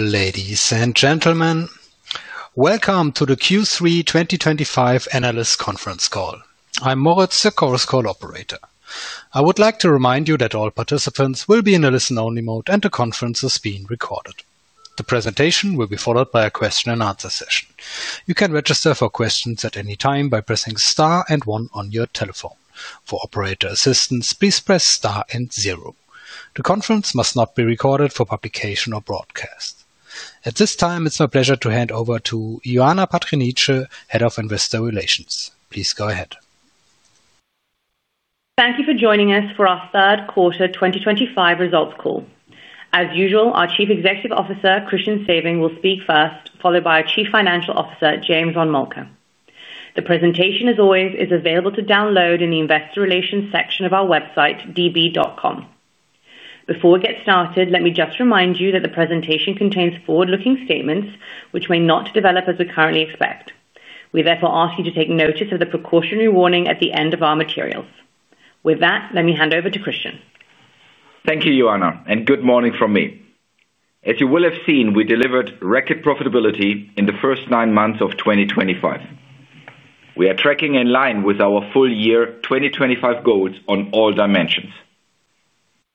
Ladies and gentlemen, welcome to the Q3 2025 Analyst Conference call. I'm Moritz, the call's operator. I would like to remind you that all participants will be in a listen-only mode and the conference is being recorded. The presentation will be followed by a question and answer session. You can register for questions at any time by pressing star and one on your telephone. For operator assistance, please press star and zero. The conference must not be recorded for publication or broadcast. At this time, it's my pleasure to hand over to Ioana Patriniche, Head of Investor Relations. Please go ahead. Thank you for joining us for our third quarter 2025 results call. As usual, our Chief Executive Officer, Christian Sewing, will speak first, followed by our Chief Financial Officer, James von Moltke. The presentation, as always, is available to download in the Investor Relations section of our website, db.com. Before we get started, let me just remind you that the presentation contains forward-looking statements, which may not develop as we currently expect. We therefore ask you to take notice of the precautionary warning at the end of our materials. With that, let me hand over to Christian. Thank you, Ioana, and good morning from me. As you will have seen, we delivered record profitability in the first nine months of 2025. We are tracking in line with our full-year 2025 goals on all dimensions.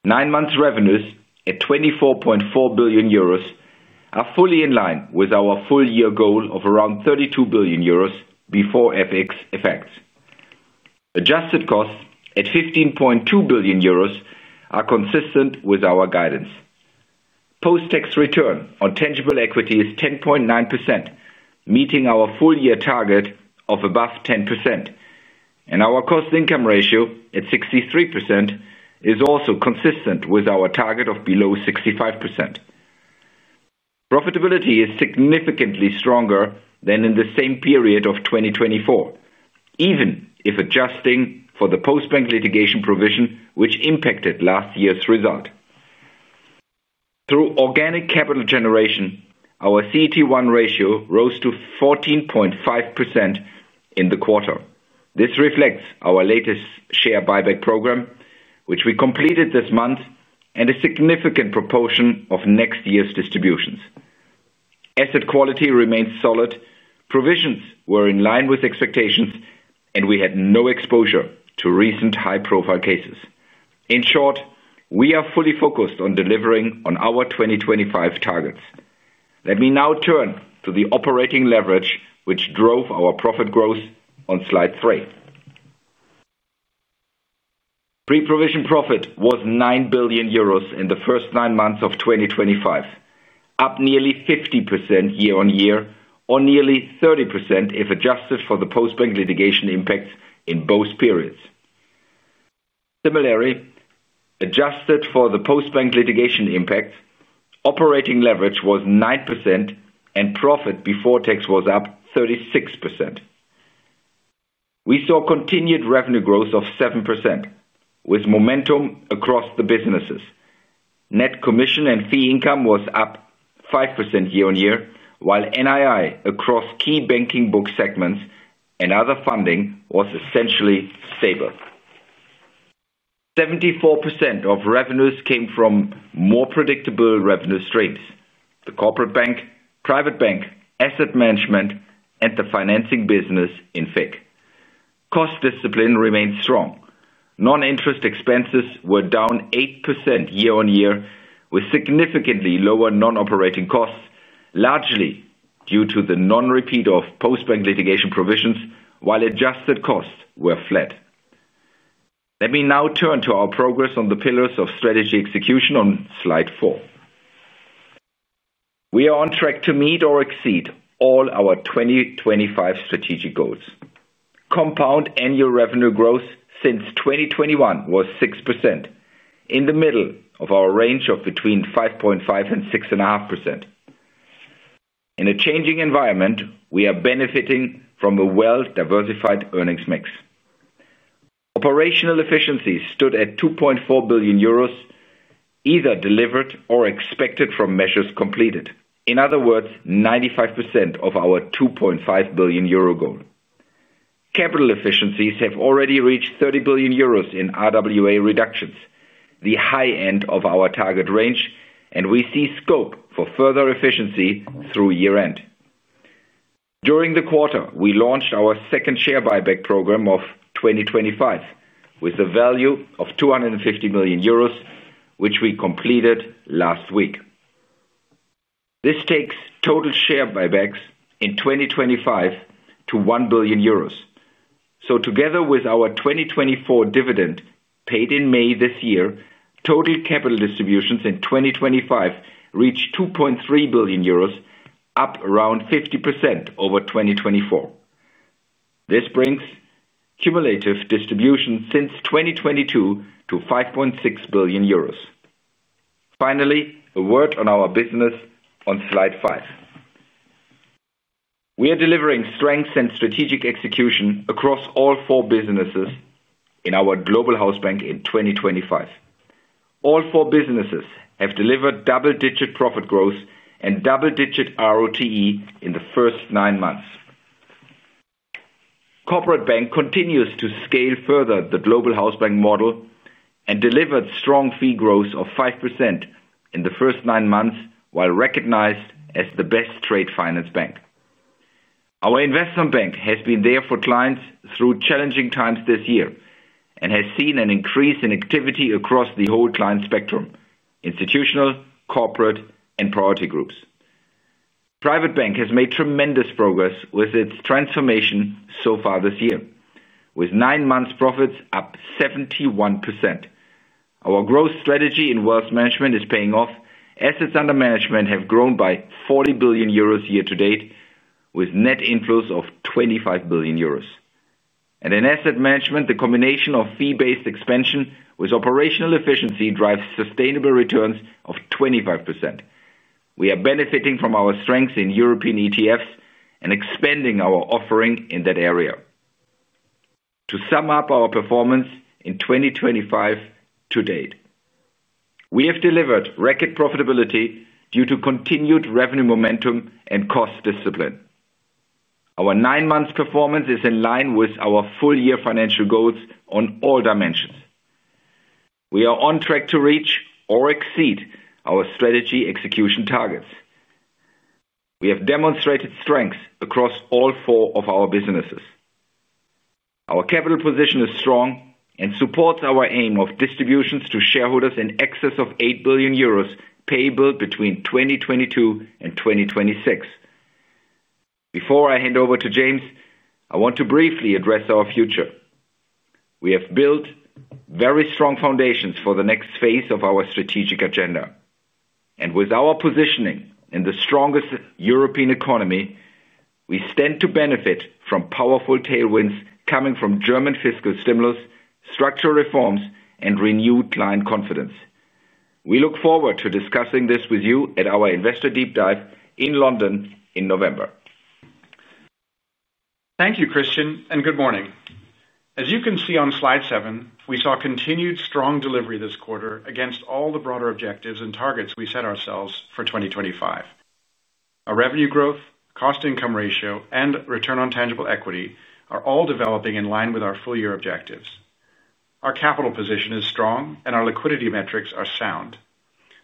Nine months' revenues at 24.4 billion euros are fully in line with our full-year goal of around 32 billion euros before FX effects. Adjusted costs at 15.2 billion euros are consistent with our guidance. Post-tax return on tangible equity is 10.9%, meeting our full-year target of above 10%. Our cost-to-income ratio at 63% is also consistent with our target of below 65%. Profitability is significantly stronger than in the same period of 2024, even if adjusting for the Postbank litigation provision, which impacted last year's result. Through organic capital generation, our CET1 ratio rose to 14.5% in the quarter. This reflects our latest share buyback program, which we completed this month, and a significant proportion of next year's distributions. Asset quality remains solid, provisions were in line with expectations, and we had no exposure to recent high-profile cases. In short, we are fully focused on delivering on our 2025 targets. Let me now turn to the operating leverage which drove our profit growth on slide three. Pre-provision profit was 9 billion euros in the first nine months of 2025, up nearly 50% year-on-year or nearly 30% if adjusted for the Postbank litigation impacts in both periods. Similarly, adjusted for the Postbank litigation impacts, operating leverage was 9% and profit before tax was up 36%. We saw continued revenue growth of 7%, with momentum across the businesses. Net commission and fee income was up 5% year-on-year, while NII across key banking book segments and other funding was essentially stable. 74% of revenues came from more predictable revenue streams: the corporate bank, private bank, asset management, and the financing business in FIC. Cost discipline remained strong. Non-interest expenses were down 8% year-on-year, with significantly lower non-operating costs, largely due to the non-repeat of Postbank litigation provisions, while adjusted costs were flat. Let me now turn to our progress on the pillars of strategy execution on slide four. We are on track to meet or exceed all our 2025 strategic goals. Compound annual revenue growth since 2021 was 6%, in the middle of our range of between 5.5% and 6.5%. In a changing environment, we are benefiting from a well-diversified earnings mix. Operational efficiencies stood at 2.4 billion euros, either delivered or expected from measures completed. In other words, 95% of our 2.5 billion euro goal. Capital efficiencies have already reached 30 billion euros in RWA reductions, the high end of our target range, and we see scope for further efficiency through year-end. During the quarter, we launched our second share buyback program of 2025, with a value of 250 million euros, which we completed last week. This takes total share buybacks in 2025 to 1 billion euros. Together with our 2024 dividend paid in May this year, total capital distributions in 2025 reached 2.3 billion euros, up around 50% over 2024. This brings cumulative distributions since 2022 to 5.6 billion euros. Finally, a word on our business on slide five. We are delivering strengths and strategic execution across all four businesses in our global house bank in 2025. All four businesses have delivered double-digit profit growth and double-digit ROTE in the first nine months. Corporate Bank continues to scale further the global house bank model and delivered strong fee growth of 5% in the first nine months, while recognized as the best trade finance bank. Our investment bank has been there for clients through challenging times this year and has seen an increase in activity across the whole client spectrum: institutional, corporate, and priority groups. Private Bank has made tremendous progress with its transformation so far this year, with nine months' profits up 71%. Our growth strategy in wealth management is paying off. Assets under management have grown by 40 billion euros year to date, with net inflows of 25 billion euros. In asset management, the combination of fee-based expansion with operational efficiency drives sustainable returns of 25%. We are benefiting from our strengths in European ETFs and expanding our offering in that area. To sum up our performance in 2025 to date, we have delivered record profitability due to continued revenue momentum and cost discipline. Our nine months' performance is in line with our full-year financial goals on all dimensions. We are on track to reach or exceed our strategy execution targets. We have demonstrated strengths across all four of our businesses. Our capital position is strong and supports our aim of distributions to shareholders in excess of 8 billion euros payable between 2022 and 2026. Before I hand over to James, I want to briefly address our future. We have built very strong foundations for the next phase of our strategic agenda. With our positioning in the strongest European economy, we stand to benefit from powerful tailwinds coming from German fiscal stimulus, structural reforms, and renewed client confidence. We look forward to discussing this with you at our investor deep dive in London in November. Thank you, Christian, and good morning. As you can see on slide seven, we saw continued strong delivery this quarter against all the broader objectives and targets we set ourselves for 2025. Our revenue growth, cost-to-income ratio, and return on tangible equity are all developing in line with our full-year objectives. Our capital position is strong and our liquidity metrics are sound.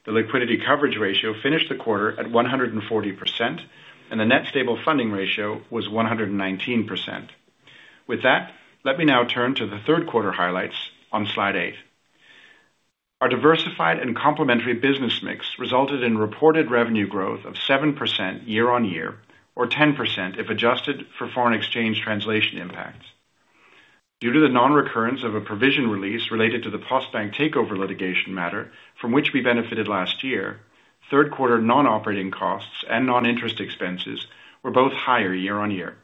The liquidity coverage ratio finished the quarter at 140% and the net stable funding ratio was 119%. With that, let me now turn to the third quarter highlights on slide eight. Our diversified and complementary business mix resulted in reported revenue growth of 7% year-on-year, or 10% if adjusted for foreign exchange translation impacts. Due to the non-recurrence of a provision release related to the Postbank takeover litigation matter from which we benefited last year, third-quarter non-operating costs and non-interest expenses were both higher year-on-year.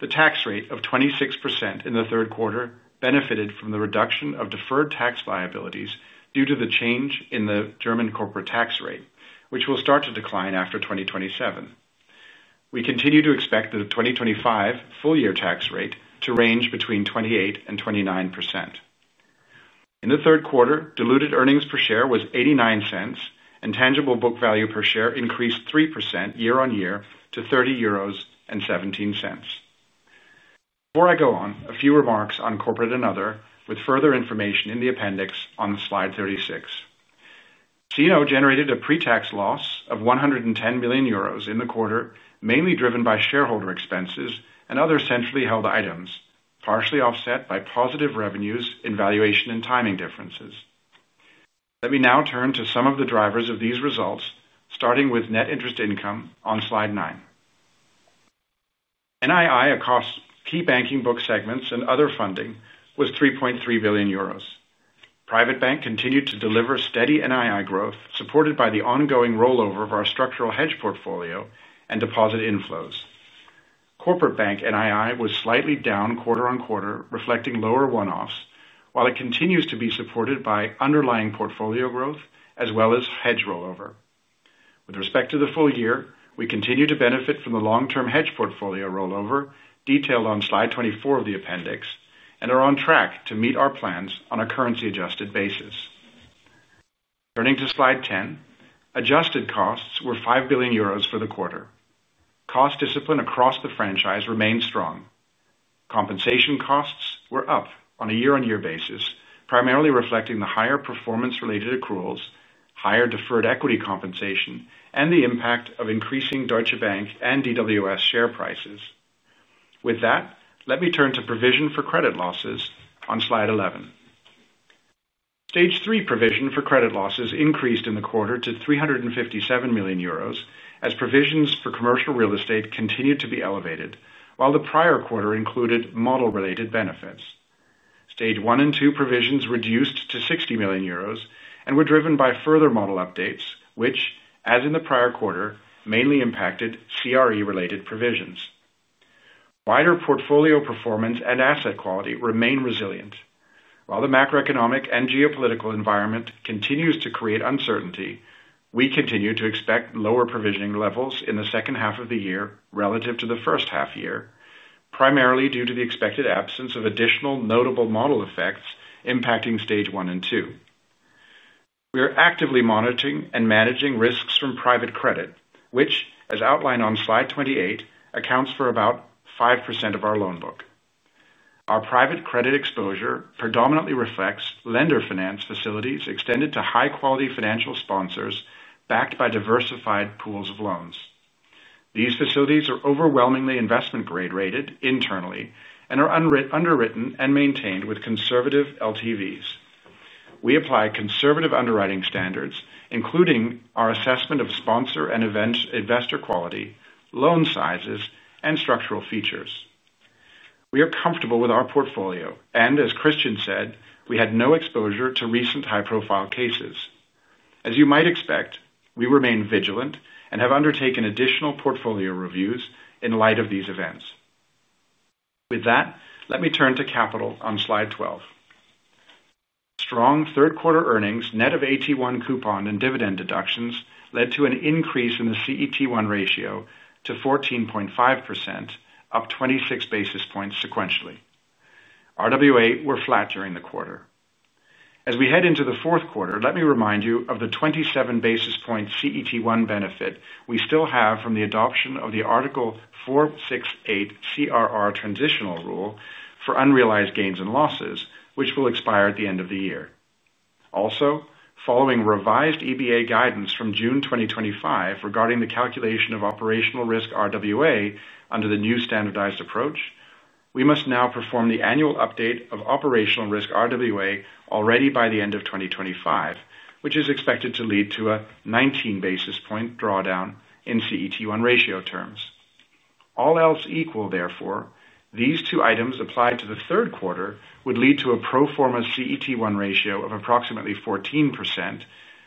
The tax rate of 26% in the third quarter benefited from the reduction of deferred tax liabilities due to the change in the German corporate tax rate, which will start to decline after 2027. We continue to expect the 2025 full-year tax rate to range between 28% and 29%. In the third quarter, diluted earnings per share was $0.89 and tangible book value per share increased 3% year-on-year to 30.17 euros. Before I go on, a few remarks on Corporate and Other, with further information in the appendix on slide 36. C&O generated a pre-tax loss of 110 million euros in the quarter, mainly driven by shareholder expenses and other centrally held items, partially offset by positive revenues in valuation and timing differences. Let me now turn to some of the drivers of these results, starting with net interest income on slide nine. NII across key banking book segments and other funding was 3.3 billion euros. Private Bank continued to deliver steady NII growth, supported by the ongoing rollover of our structural hedge portfolio and deposit inflows. Corporate Bank NII was slightly down quarter on quarter, reflecting lower one-offs, while it continues to be supported by underlying portfolio growth as well as hedge rollover. With respect to the full year, we continue to benefit from the long-term hedge portfolio rollover detailed on slide 24 of the appendix and are on track to meet our plans on a currency-adjusted basis. Turning to slide 10, adjusted costs were 5 billion euros for the quarter. Cost discipline across the franchise remains strong. Compensation costs were up on a year-on-year basis, primarily reflecting the higher performance-related accruals, higher deferred equity compensation, and the impact of increasing Deutsche Bank and DWS share prices. With that, let me turn to provision for credit losses on slide 11. Stage three provision for credit losses increased in the quarter to 357 million euros as provisions for commercial real estate continued to be elevated, while the prior quarter included model-related benefits. Stage one and two provisions reduced to 60 million euros and were driven by further model updates, which, as in the prior quarter, mainly impacted CRE-related provisions. Wider portfolio performance and asset quality remain resilient. While the macroeconomic and geopolitical environment continues to create uncertainty, we continue to expect lower provisioning levels in the second half of the year relative to the first half year, primarily due to the expected absence of additional notable model effects impacting stage one and two. We are actively monitoring and managing risks from private credit, which, as outlined on slide 28, accounts for about 5% of our loan book. Our private credit exposure predominantly reflects lender finance facilities extended to high-quality financial sponsors backed by diversified pools of loans. These facilities are overwhelmingly investment-grade rated internally and are underwritten and maintained with conservative LTVs. We apply conservative underwriting standards, including our assessment of sponsor and investor quality, loan sizes, and structural features. We are comfortable with our portfolio and, as Christian Sewing said, we had no exposure to recent high-profile cases. As you might expect, we remain vigilant and have undertaken additional portfolio reviews in light of these events. With that, let me turn to capital on slide 12. Strong third-quarter earnings, net of AT1 coupon and dividend deductions, led to an increase in the CET1 ratio to 14.5%, up 26 basis points sequentially. RWA were flat during the quarter. As we head into the fourth quarter, let me remind you of the 27 basis point CET1 benefit we still have from the adoption of the Article 468 CRR transitional rule for unrealized gains and losses, which will expire at the end of the year. Also, following revised EBA guidance from June 2025 regarding the calculation of operational risk RWA under the new standardized approach, we must now perform the annual update of operational risk RWA already by the end of 2025, which is expected to lead to a 19 basis point drawdown in CET1 ratio terms. All else equal, therefore, these two items applied to the third quarter would lead to a pro forma CET1 ratio of approximately 14%,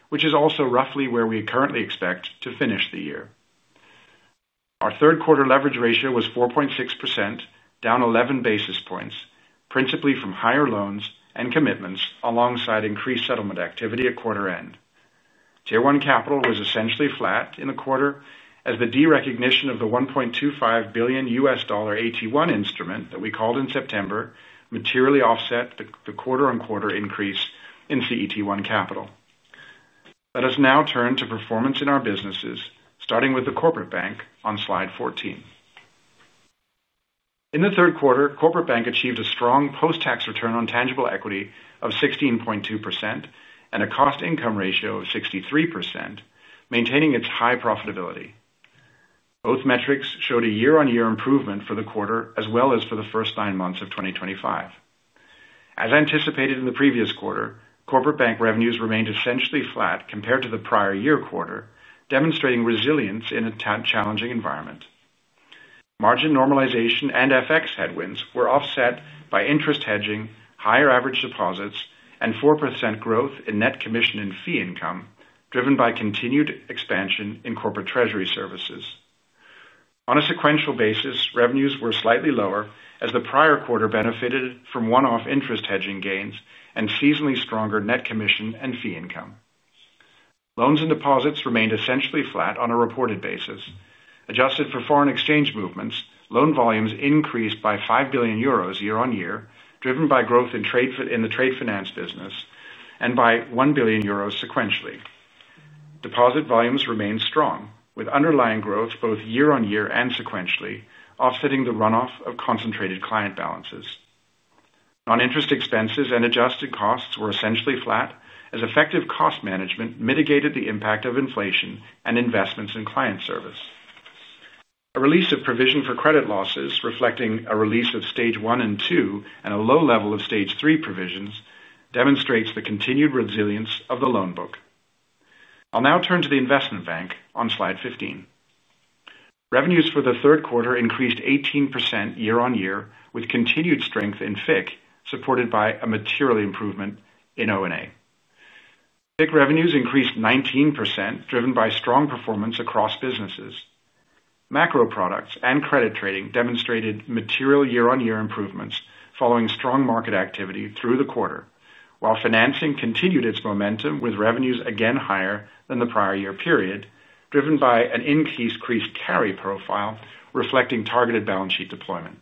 which is also roughly where we currently expect to finish the year. Our third-quarter leverage ratio was 4.6%, down 11 basis points, principally from higher loans and commitments alongside increased settlement activity at quarter end. Tier one capital was essentially flat in the quarter as the derecognition of the $1.25 billion AT1 instrument that we called in September materially offset the quarter-on-quarter increase in CET1 capital. Let us now turn to performance in our businesses, starting with the corporate bank on slide 14. In the third quarter, corporate bank achieved a strong post-tax return on tangible equity of 16.2% and a cost-to-income ratio of 63%, maintaining its high profitability. Both metrics showed a year-on-year improvement for the quarter as well as for the first nine months of 2025. As anticipated in the previous quarter, corporate bank revenues remained essentially flat compared to the prior year quarter, demonstrating resilience in a challenging environment. Margin normalization and FX headwinds were offset by interest hedging, higher average deposits, and 4% growth in net commission and fee income, driven by continued expansion in corporate treasury services. On a sequential basis, revenues were slightly lower as the prior quarter benefited from one-off interest hedging gains and seasonally stronger net commission and fee income. Loans and deposits remained essentially flat on a reported basis. Adjusted for foreign exchange movements, loan volumes increased by 5 billion euros year-on-year, driven by growth in the trade finance business and by 1 billion euros sequentially. Deposit volumes remained strong, with underlying growth both year-on-year and sequentially, offsetting the runoff of concentrated client balances. Non-interest expenses and adjusted costs were essentially flat as effective cost management mitigated the impact of inflation and investments in client service. A release of provision for credit losses, reflecting a release of stage one and two and a low level of stage three provisions, demonstrates the continued resilience of the loan book. I'll now turn to the investment bank on slide 15. Revenues for the third quarter increased 18% year-on-year, with continued strength in FIC, supported by a material improvement in O&A. FIC revenues increased 19%, driven by strong performance across businesses. Macro products and credit trading demonstrated material year-on-year improvements following strong market activity through the quarter, while financing continued its momentum with revenues again higher than the prior year period, driven by an increased carry profile, reflecting targeted balance sheet deployment.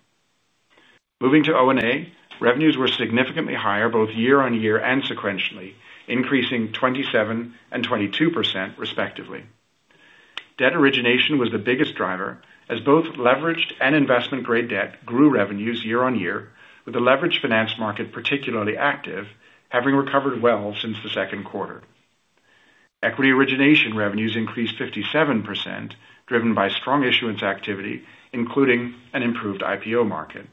Moving to O&A, revenues were significantly higher both year-on-year and sequentially, increasing 27% and 22% respectively. Debt origination was the biggest driver as both leveraged and investment-grade debt grew revenues year-on-year, with the leveraged finance market particularly active, having recovered well since the second quarter. Equity origination revenues increased 57%, driven by strong issuance activity, including an improved IPO market.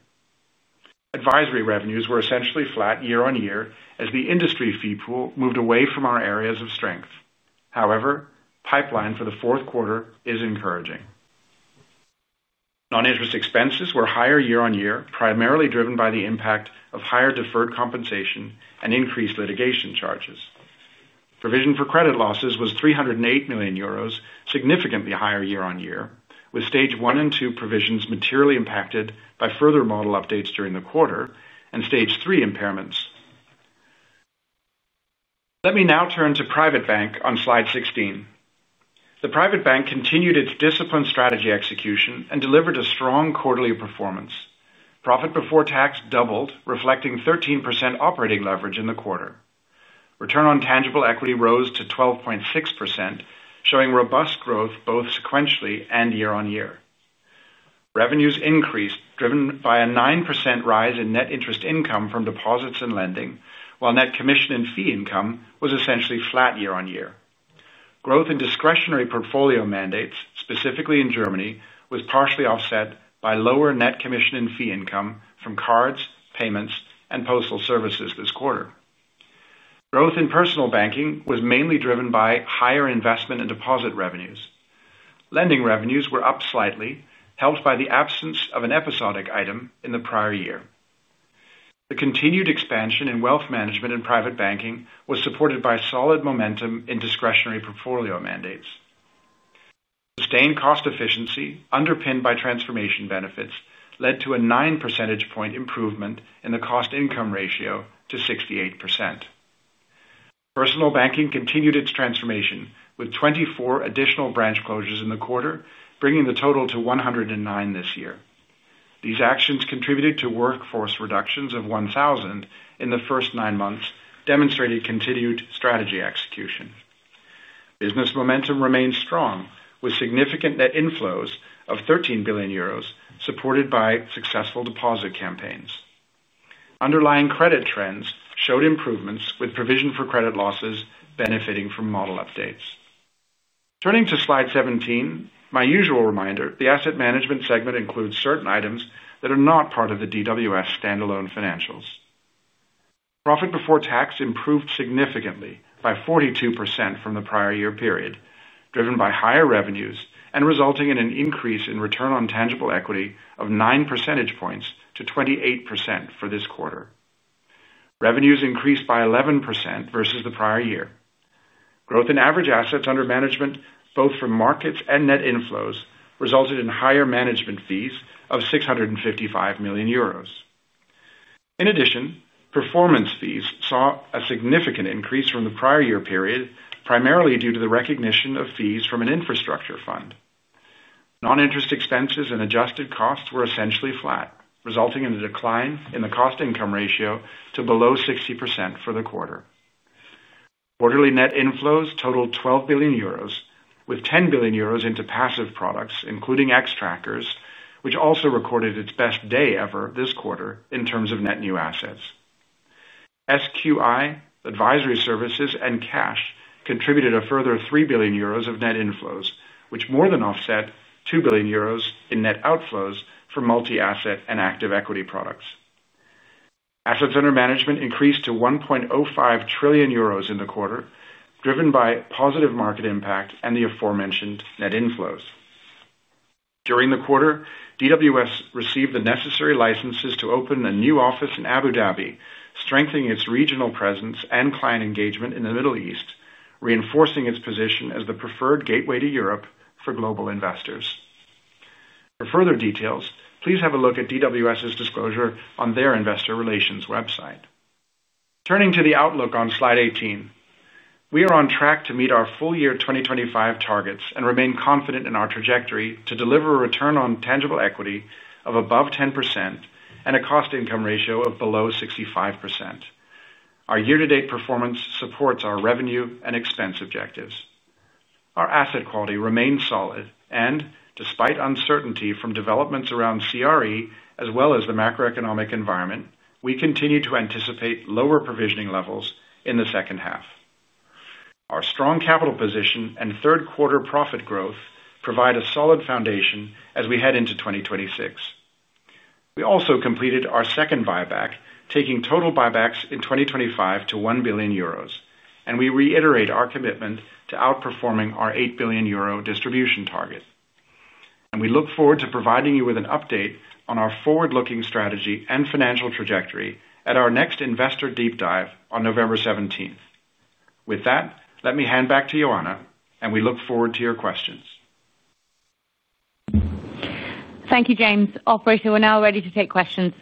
Advisory revenues were essentially flat year-on-year as the industry fee pool moved away from our areas of strength. However, pipeline for the fourth quarter is encouraging. Non-interest expenses were higher year-on-year, primarily driven by the impact of higher deferred compensation and increased litigation charges. Provision for credit losses was 308 million euros, significantly higher year-on-year, with stage one and two provisions materially impacted by further model updates during the quarter and stage three impairments. Let me now turn to private bank on slide 16. The private bank continued its disciplined strategy execution and delivered a strong quarterly performance. Profit before tax doubled, reflecting 13% operating leverage in the quarter. Return on tangible equity rose to 12.6%, showing robust growth both sequentially and year-on-year. Revenues increased, driven by a 9% rise in net interest income from deposits and lending, while net commission and fee income was essentially flat year-on-year. Growth in discretionary portfolio mandates, specifically in Germany, was partially offset by lower net commission and fee income from cards, payments, and postal services this quarter. Growth in personal banking was mainly driven by higher investment and deposit revenues. Lending revenues were up slightly, helped by the absence of an episodic item in the prior year. The continued expansion in wealth management and private banking was supported by solid momentum in discretionary portfolio mandates. Sustained cost efficiency, underpinned by transformation benefits, led to a 9% improvement in the cost-to-income ratio to 68%. Personal banking continued its transformation with 24 additional branch closures in the quarter, bringing the total to 109 this year. These actions contributed to workforce reductions of 1,000 in the first nine months, demonstrating continued strategy execution. Business momentum remains strong, with significant net inflows of 13 billion euros, supported by successful deposit campaigns. Underlying credit trends showed improvements, with provision for credit losses benefiting from model updates. Turning to slide 17, my usual reminder, the asset management segment includes certain items that are not part of the DWS standalone financials. Profit before tax improved significantly by 42% from the prior year period, driven by higher revenues and resulting in an increase in return on tangible equity of 9% to 28% for this quarter. Revenues increased by 11% versus the prior year. Growth in average assets under management, both from markets and net inflows, resulted in higher management fees of 655 million euros. In addition, performance fees saw a significant increase from the prior year period, primarily due to the recognition of fees from an infrastructure fund. Non-interest expenses and adjusted costs were essentially flat, resulting in a decline in the cost-to-income ratio to below 60% for the quarter. Quarterly net inflows totaled 12 billion euros, with 10 billion euros into passive products, including Xtrackers, which also recorded its best day ever this quarter in terms of net new assets. SQI, advisory services, and cash contributed a further 3 billion euros of net inflows, which more than offset 2 billion euros in net outflows for multi-asset and active equity products. Assets under management increased to 1.05 trillion euros in the quarter, driven by positive market impact and the aforementioned net inflows. During the quarter, DWS received the necessary licenses to open a new office in Abu Dhabi, strengthening its regional presence and client engagement in the Middle East, reinforcing its position as the preferred gateway to Europe for global investors. For further details, please have a look at DWS's disclosure on their Investor Relations website. Turning to the outlook on slide 18, we are on track to meet our full-year 2025 targets and remain confident in our trajectory to deliver a return on tangible equity of above 10% and a cost-to-income ratio of below 65%. Our year-to-date performance supports our revenue and expense objectives. Our asset quality remains solid and, despite uncertainty from developments around commercial real estate as well as the macroeconomic environment, we continue to anticipate lower provisioning levels in the second half. Our strong capital position and third-quarter profit growth provide a solid foundation as we head into 2026. We also completed our second buyback, taking total buybacks in 2025 to 1 billion euros, and we reiterate our commitment to outperforming our 8 billion euro distribution target. We look forward to providing you with an update on our forward-looking strategy and financial trajectory at our next investor deep dive on November 17, 2025 in London. With that, let me hand back to Ioana, and we look forward to your questions. Thank you, James. Officers, we are now ready to take questions.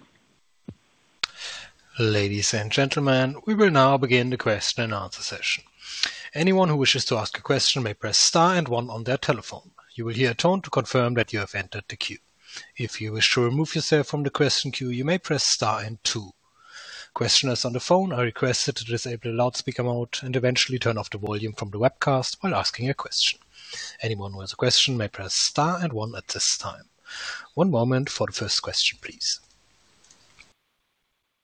Ladies and gentlemen, we will now begin the question and answer session. Anyone who wishes to ask a question may press star and one on their telephone. You will hear a tone to confirm that you have entered the queue. If you wish to remove yourself from the question queue, you may press star and two. Questioners on the phone are requested to disable the loudspeaker mode and eventually turn off the volume from the webcast while asking a question. Anyone who has a question may press star and one at this time. One moment for the first question, please.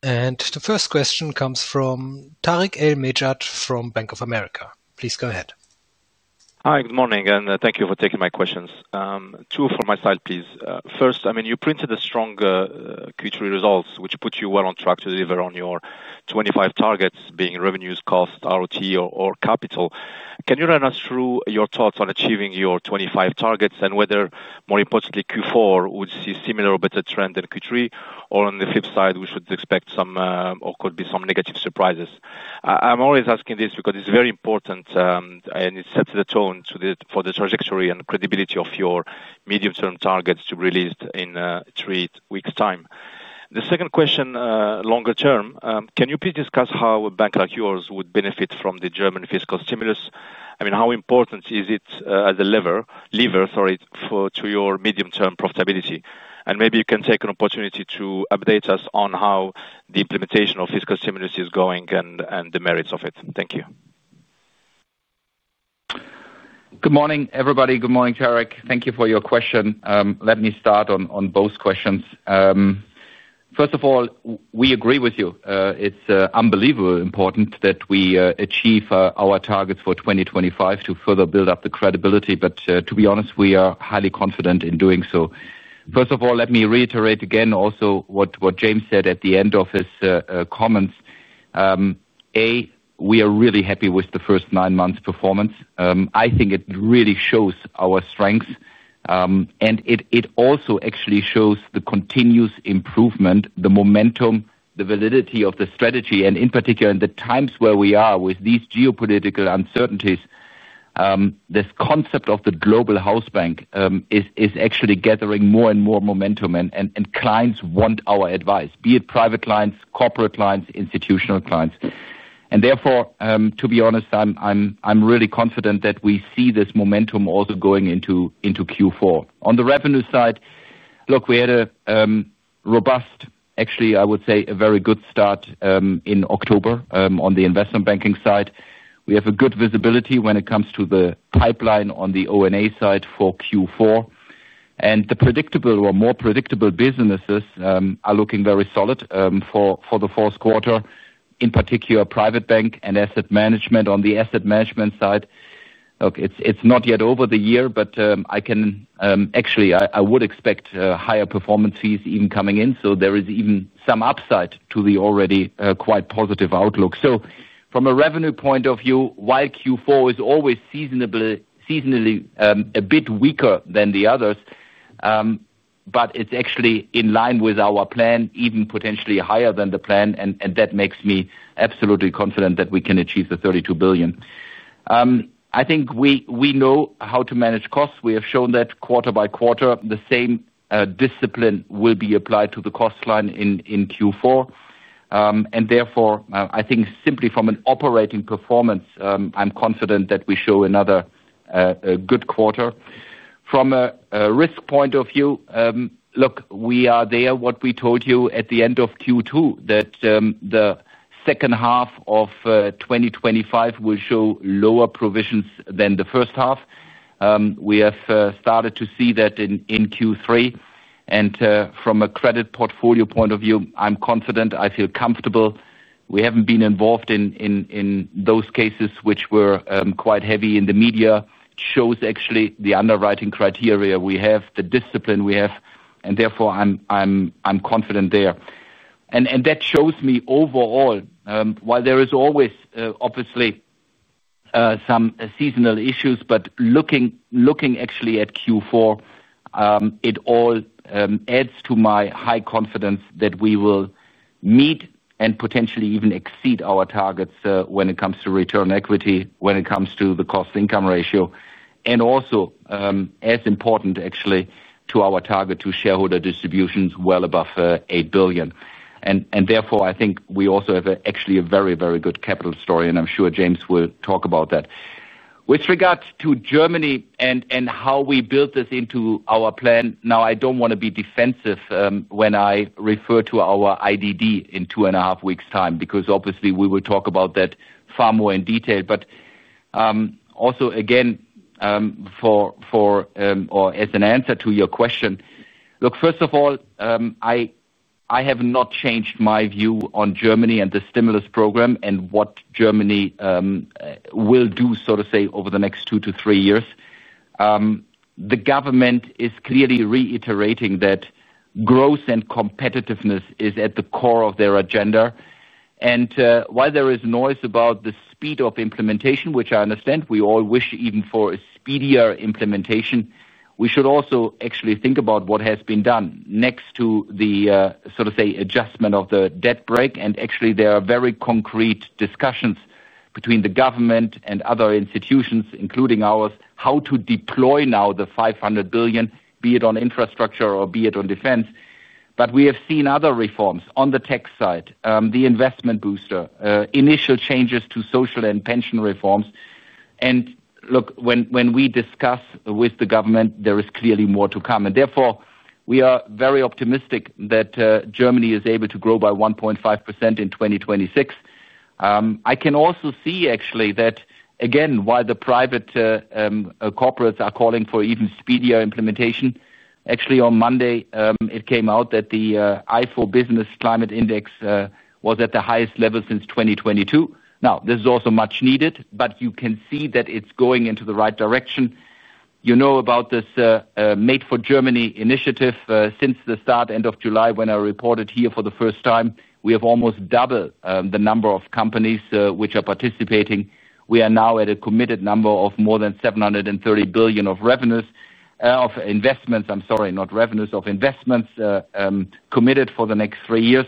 The first question comes Tarik El Mejjad from Bank of America. Please go ahead. Hi, good morning, and thank you for taking my questions. Two from my side, please. First, I mean, you printed a strong Q3 results, which put you well on track to deliver on your 2025 targets, being revenues, cost, ROT, or capital. Can you run us through your thoughts on achieving your 2025 targets and whether, more importantly, Q4 would see a similar or better trend than Q3, or on the flip side, we should expect some or could be some negative surprises? I'm always asking this because it's very important and it sets the tone for the trajectory and credibility of your medium-term targets to be released in three weeks' time. The second question, longer term, can you please discuss how a bank like yours would benefit from the German fiscal stimulus? I mean, how important is it as a lever, lever, sorry, to your medium-term profitability? Maybe you can take an opportunity to update us on how the implementation of fiscal stimulus is going and the merits of it. Thank you. Good morning, everybody. Good morning, Tariq. Thank you for your question. Let me start on both questions. First of all, we agree with you. It's unbelievably important that we achieve our targets for 2025 to further build up the credibility. To be honest, we are highly confident in doing so. First of all, let me reiterate again also what James said at the end of his comments. A, we are really happy with the first nine months' performance. I think it really shows our strengths. It also actually shows the continuous improvement, the momentum, the validity of the strategy, and in particular in the times where we are with these geopolitical uncertainties, this concept of the global house bank is actually gathering more and more momentum and clients want our advice, be it private clients, corporate clients, institutional clients. Therefore, to be honest, I'm really confident that we see this momentum also going into Q4. On the revenue side, look, we had a robust, actually, I would say a very good start in October on the investment banking side. We have a good visibility when it comes to the pipeline on the O&A side for Q4. The predictable or more predictable businesses are looking very solid for the fourth quarter, in particular private bank and asset management. On the asset management side, look, it's not yet over the year, but I can actually, I would expect higher performance fees even coming in. There is even some upside to the already quite positive outlook. From a revenue point of view, while Q4 is always seasonally a bit weaker than the others, it's actually in line with our plan, even potentially higher than the plan, and that makes me absolutely confident that we can achieve the $32 billion. I think we know how to manage costs. We have shown that quarter by quarter, the same discipline will be applied to the cost line in Q4. Therefore, I think simply from an operating performance, I'm confident that we show another good quarter. From a risk point of view, look, we are there. What we told you at the end of Q2 that the second half of 2025 will show lower provisions than the first half. We have started to see that in Q3. From a credit portfolio point of view, I'm confident, I feel comfortable. We haven't been involved in those cases which were quite heavy in the media. It shows actually the underwriting criteria we have, the discipline we have, and therefore, I'm confident there. That shows me overall, while there is always, obviously, some seasonal issues, looking actually at Q4, it all adds to my high confidence that we will meet and potentially even exceed our targets when it comes to return on equity, the cost-to-income ratio, and also, as important, actually, our target to shareholder distributions well above $1 billion. I think we also have actually a very, very good capital story, and I'm sure James will talk about that. With regard to Germany and how we built this into our plan, I don't want to be defensive when I refer to our IDD in two and a half weeks' time because obviously we will talk about that far more in detail. Also, as an answer to your question, look, first of all, I have not changed my view on Germany and the stimulus program and what Germany will do, so to say, over the next two to three years. The government is clearly reiterating that growth and competitiveness is at the core of their agenda. While there is noise about the speed of implementation, which I understand, we all wish even for a speedier implementation, we should also actually think about what has been done next to the, so to say, adjustment of the debt brake. There are very concrete discussions between the government and other institutions, including ours, how to deploy now the $500 billion, be it on infrastructure or on defense. We have seen other reforms on the tech side, the investment booster, initial changes to social and pension reforms. When we discuss with the government, there is clearly more to come. Therefore, we are very optimistic that Germany is able to grow by 1.5% in 2026. I can also see, actually, that again, while the private corporates are calling for even speedier implementation, on Monday, it came out that the Ifo Business Climate Index was at the highest level since 2022. This is also much needed, but you can see that it's going in the right direction. You know about this Made for Germany initiative. Since the start, end of July, when I reported here for the first time, we have almost doubled the number of companies which are participating. We are now at a committed number of more than $730 billion of investments committed for the next three years.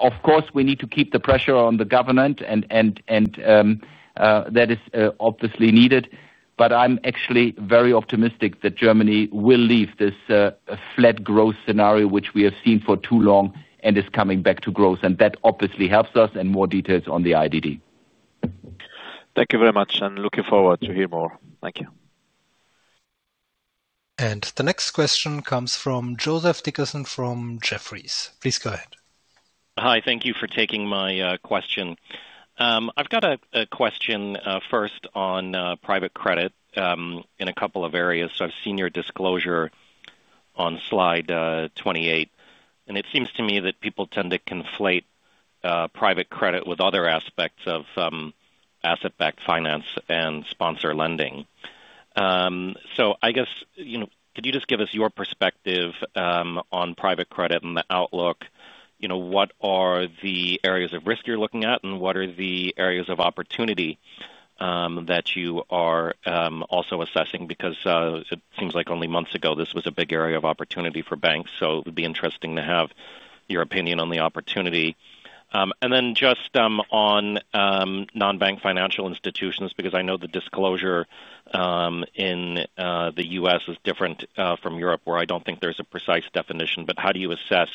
Of course, we need to keep the pressure on the government, and that is obviously needed. I am actually very optimistic that Germany will leave this flat growth scenario, which we have seen for too long and is coming back to growth. That obviously helps us, and more details on the IDD. Thank you very much, and looking forward to hearing more. Thank you. The next question comes from Joseph Dickerson from Jefferies. Please go ahead. Hi, thank you for taking my question. I've got a question first on private credit in a couple of areas. I've seen your disclosure on slide 28, and it seems to me that people tend to conflate private credit with other aspects of asset-backed finance and sponsor lending. I guess, could you just give us your perspective on private credit and the outlook? What are the areas of risk you're looking at and what are the areas of opportunity that you are also assessing? It seems like only months ago this was a big area of opportunity for banks. It would be interesting to have your opinion on the opportunity. Just on non-bank financial institutions, I know the disclosure in the U.S. is different from Europe, where I don't think there's a precise definition, but how do you assess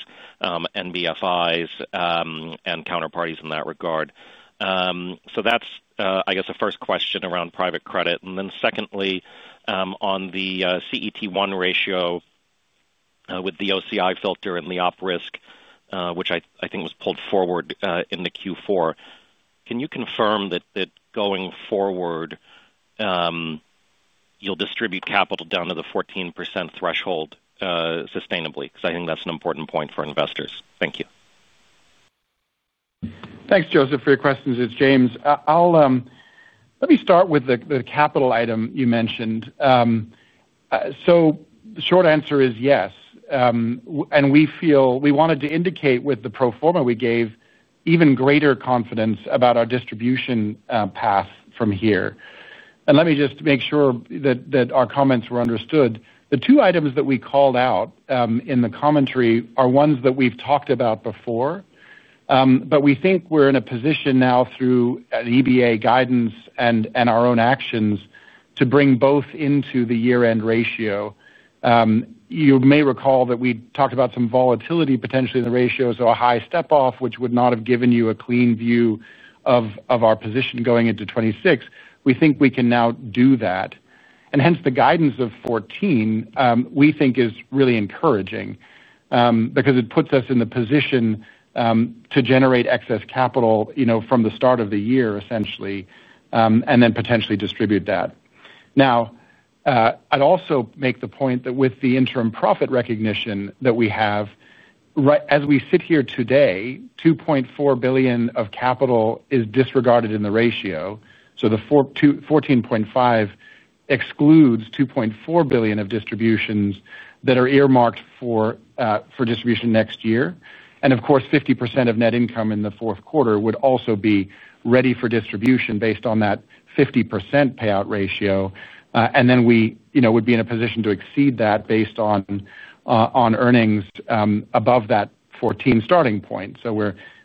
NBFIs and counterparties in that regard? That's a first question around private credit. Secondly, on the CET1 ratio with the OCI filter and the op risk, which I think was pulled forward in Q4, can you confirm that going forward, you'll distribute capital down to the 14% threshold sustainably? I think that's an important point for investors. Thank you. Thanks, Joseph, for your questions. It's James. Let me start with the capital item you mentioned. The short answer is yes. We feel we wanted to indicate with the pro forma we gave even greater confidence about our distribution path from here. Let me just make sure that our comments were understood. The two items that we called out in the commentary are ones that we've talked about before. We think we're in a position now through the EBA guidance and our own actions to bring both into the year-end ratio. You may recall that we talked about some volatility potentially in the ratio, a high step-off, which would not have given you a clean view of our position going into 2026. We think we can now do that. The guidance of 14% is really encouraging because it puts us in the position to generate excess capital from the start of the year, essentially, and then potentially distribute that. I'd also make the point that with the interim profit recognition that we have, as we sit here today, $2.4 billion of capital is disregarded in the ratio. The 14.5% excludes $2.4 billion of distributions that are earmarked for distribution next year. Of course, 50% of net income in the fourth quarter would also be ready for distribution based on that 50% payout ratio. We would be in a position to exceed that based on earnings above that 14% starting point.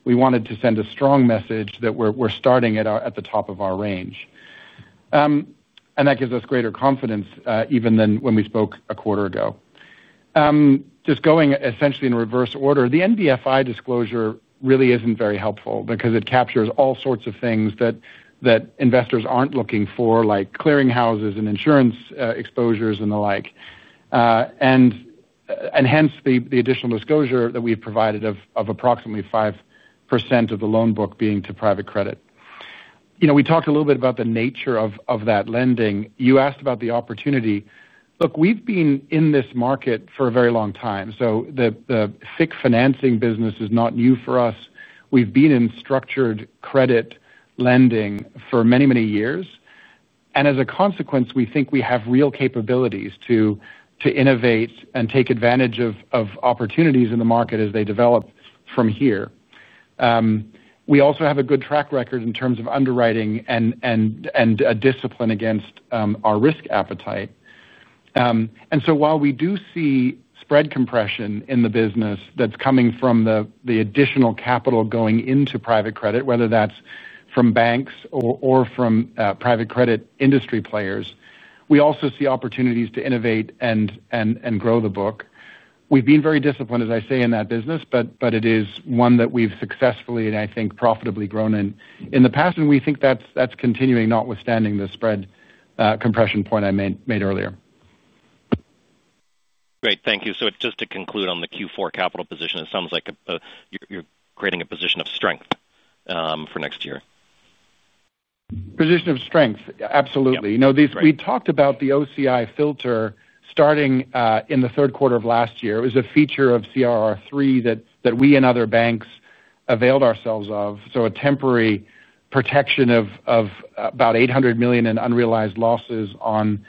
We wanted to send a strong message that we're starting at the top of our range. That gives us greater confidence even than when we spoke a quarter ago. Just going essentially in reverse order, the NBFI disclosure really isn't very helpful because it captures all sorts of things that investors aren't looking for, like clearing houses and insurance exposures and the like. The additional disclosure that we've provided of approximately 5% of the loan book being to private credit. We talked a little bit about the nature of that lending. You asked about the opportunity. Look, we've been in this market for a very long time. The FIC financing business is not new for us. We've been in structured credit lending for many, many years. As a consequence, we think we have real capabilities to innovate and take advantage of opportunities in the market as they develop from here. We also have a good track record in terms of underwriting and discipline against our risk appetite. While we do see spread compression in the business that's coming from the additional capital going into private credit, whether that's from banks or from private credit industry players, we also see opportunities to innovate and grow the book. We've been very disciplined, as I say, in that business, but it is one that we've successfully and I think profitably grown in the past. We think that's continuing, notwithstanding the spread compression point I made earlier. Great, thank you. Just to conclude on the Q4 capital position, it sounds like you're creating a position of strength for next year. Position of strength, absolutely. You know, we talked about the OCI filter starting in the third quarter of last year. It was a feature of CRR3 that we and other banks availed ourselves of, a temporary protection of about 800 million in unrealized losses on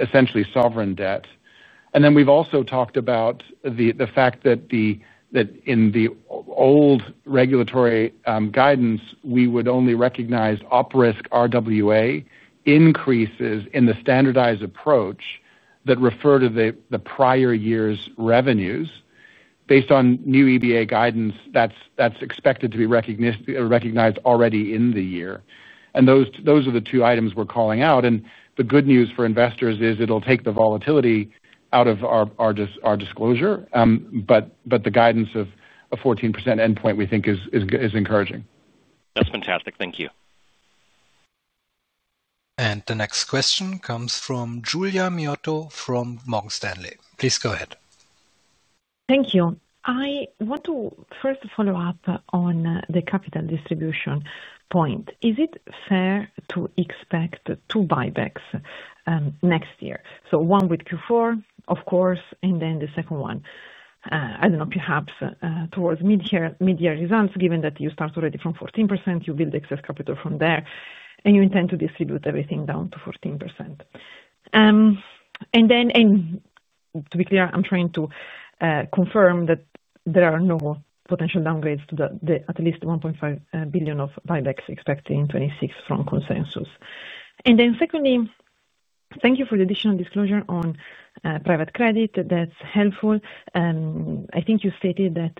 essentially sovereign debt. We've also talked about the fact that in the old regulatory guidance, we would only recognize operational risk RWA increases in the standardized approach that refer to the prior year's revenues. Based on new EBA guidance, that's expected to be recognized already in the year. Those are the two items we're calling out. The good news for investors is it'll take the volatility out of our disclosure. The guidance of a 14% endpoint we think is encouraging. That's fantastic. Thank you. The next question comes from Giulia Miotto from Morgan Stanley. Please go ahead. Thank you. I want to first follow up on the capital distribution point. Is it fair to expect two buybacks next year? One with Q4, of course, and then the second one, perhaps towards mid-year results, given that you start already from 14%, you build excess capital from there, and you intend to distribute everything down to 14%. To be clear, I'm trying to confirm that there are no potential downgrades to the at least $1.5 billion of buybacks expected in 2026 from consensus. Secondly, thank you for the additional disclosure on private credit. That's helpful. I think you stated that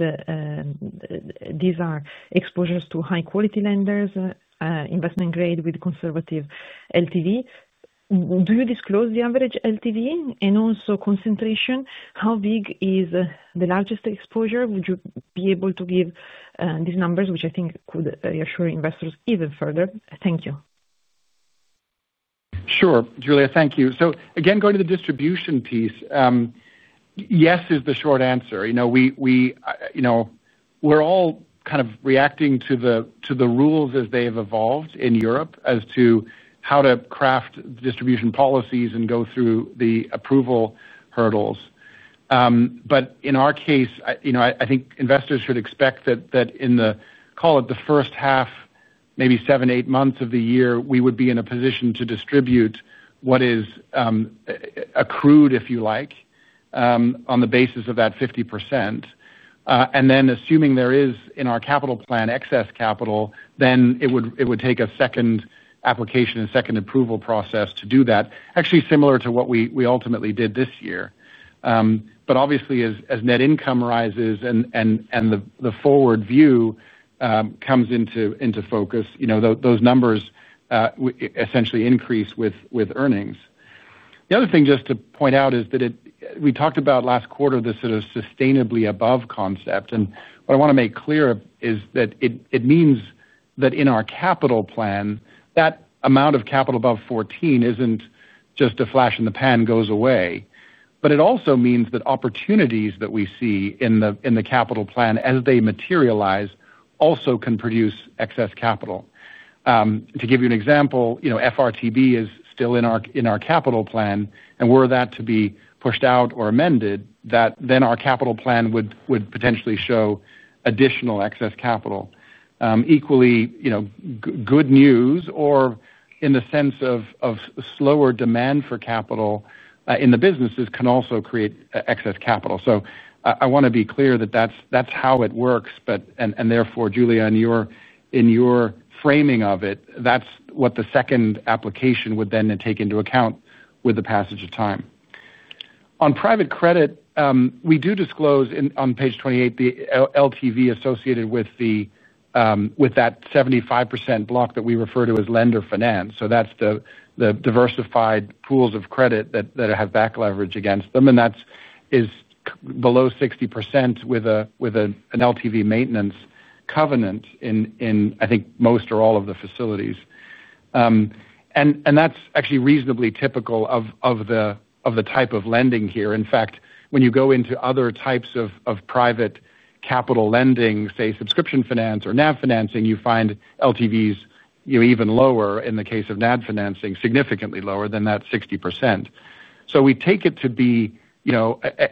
these are exposures to high-quality lenders, investment-grade with conservative LTV. Do you disclose the average LTV and also concentration? How big is the largest exposure? Would you be able to give these numbers, which I think could reassure investors even further? Thank you. Sure, Giulia, thank you. Again, going to the distribution piece, yes is the short answer. We're all kind of reacting to the rules as they've evolved in Europe as to how to craft the distribution policies and go through the approval hurdles. In our case, I think investors should expect that in the, call it the first half, maybe seven, eight months of the year, we would be in a position to distribute what is accrued, if you like, on the basis of that 50%. Assuming there is, in our capital plan, excess capital, it would take a second application, a second approval process to do that, actually similar to what we ultimately did this year. Obviously, as net income rises and the forward view comes into focus, those numbers essentially increase with earnings. The other thing just to point out is that we talked about last quarter this sort of sustainably above concept. What I want to make clear is that it means that in our capital plan, that amount of capital above 14% isn't just a flash in the pan that goes away. It also means that opportunities that we see in the capital plan, as they materialize, also can produce excess capital. To give you an example, FRTB is still in our capital plan. Were that to be pushed out or amended, then our capital plan would potentially show additional excess capital. Equally, good news, or in the sense of slower demand for capital in the businesses, can also create excess capital. I want to be clear that that's how it works. Therefore, Giulia, in your framing of it, that's what the second application would then take into account with the passage of time. On private credit, we do disclose on page 28 the LTV associated with that 75% block that we refer to as lender finance. That's the diversified pools of credit that have back leverage against them. That is below 60% with an LTV maintenance covenant in, I think, most or all of the facilities. That's actually reasonably typical of the type of lending here. In fact, when you go into other types of private capital lending, say subscription finance or NAV financing, you find LTVs even lower. In the case of NAV financing, significantly lower than that 60%. We take it to be,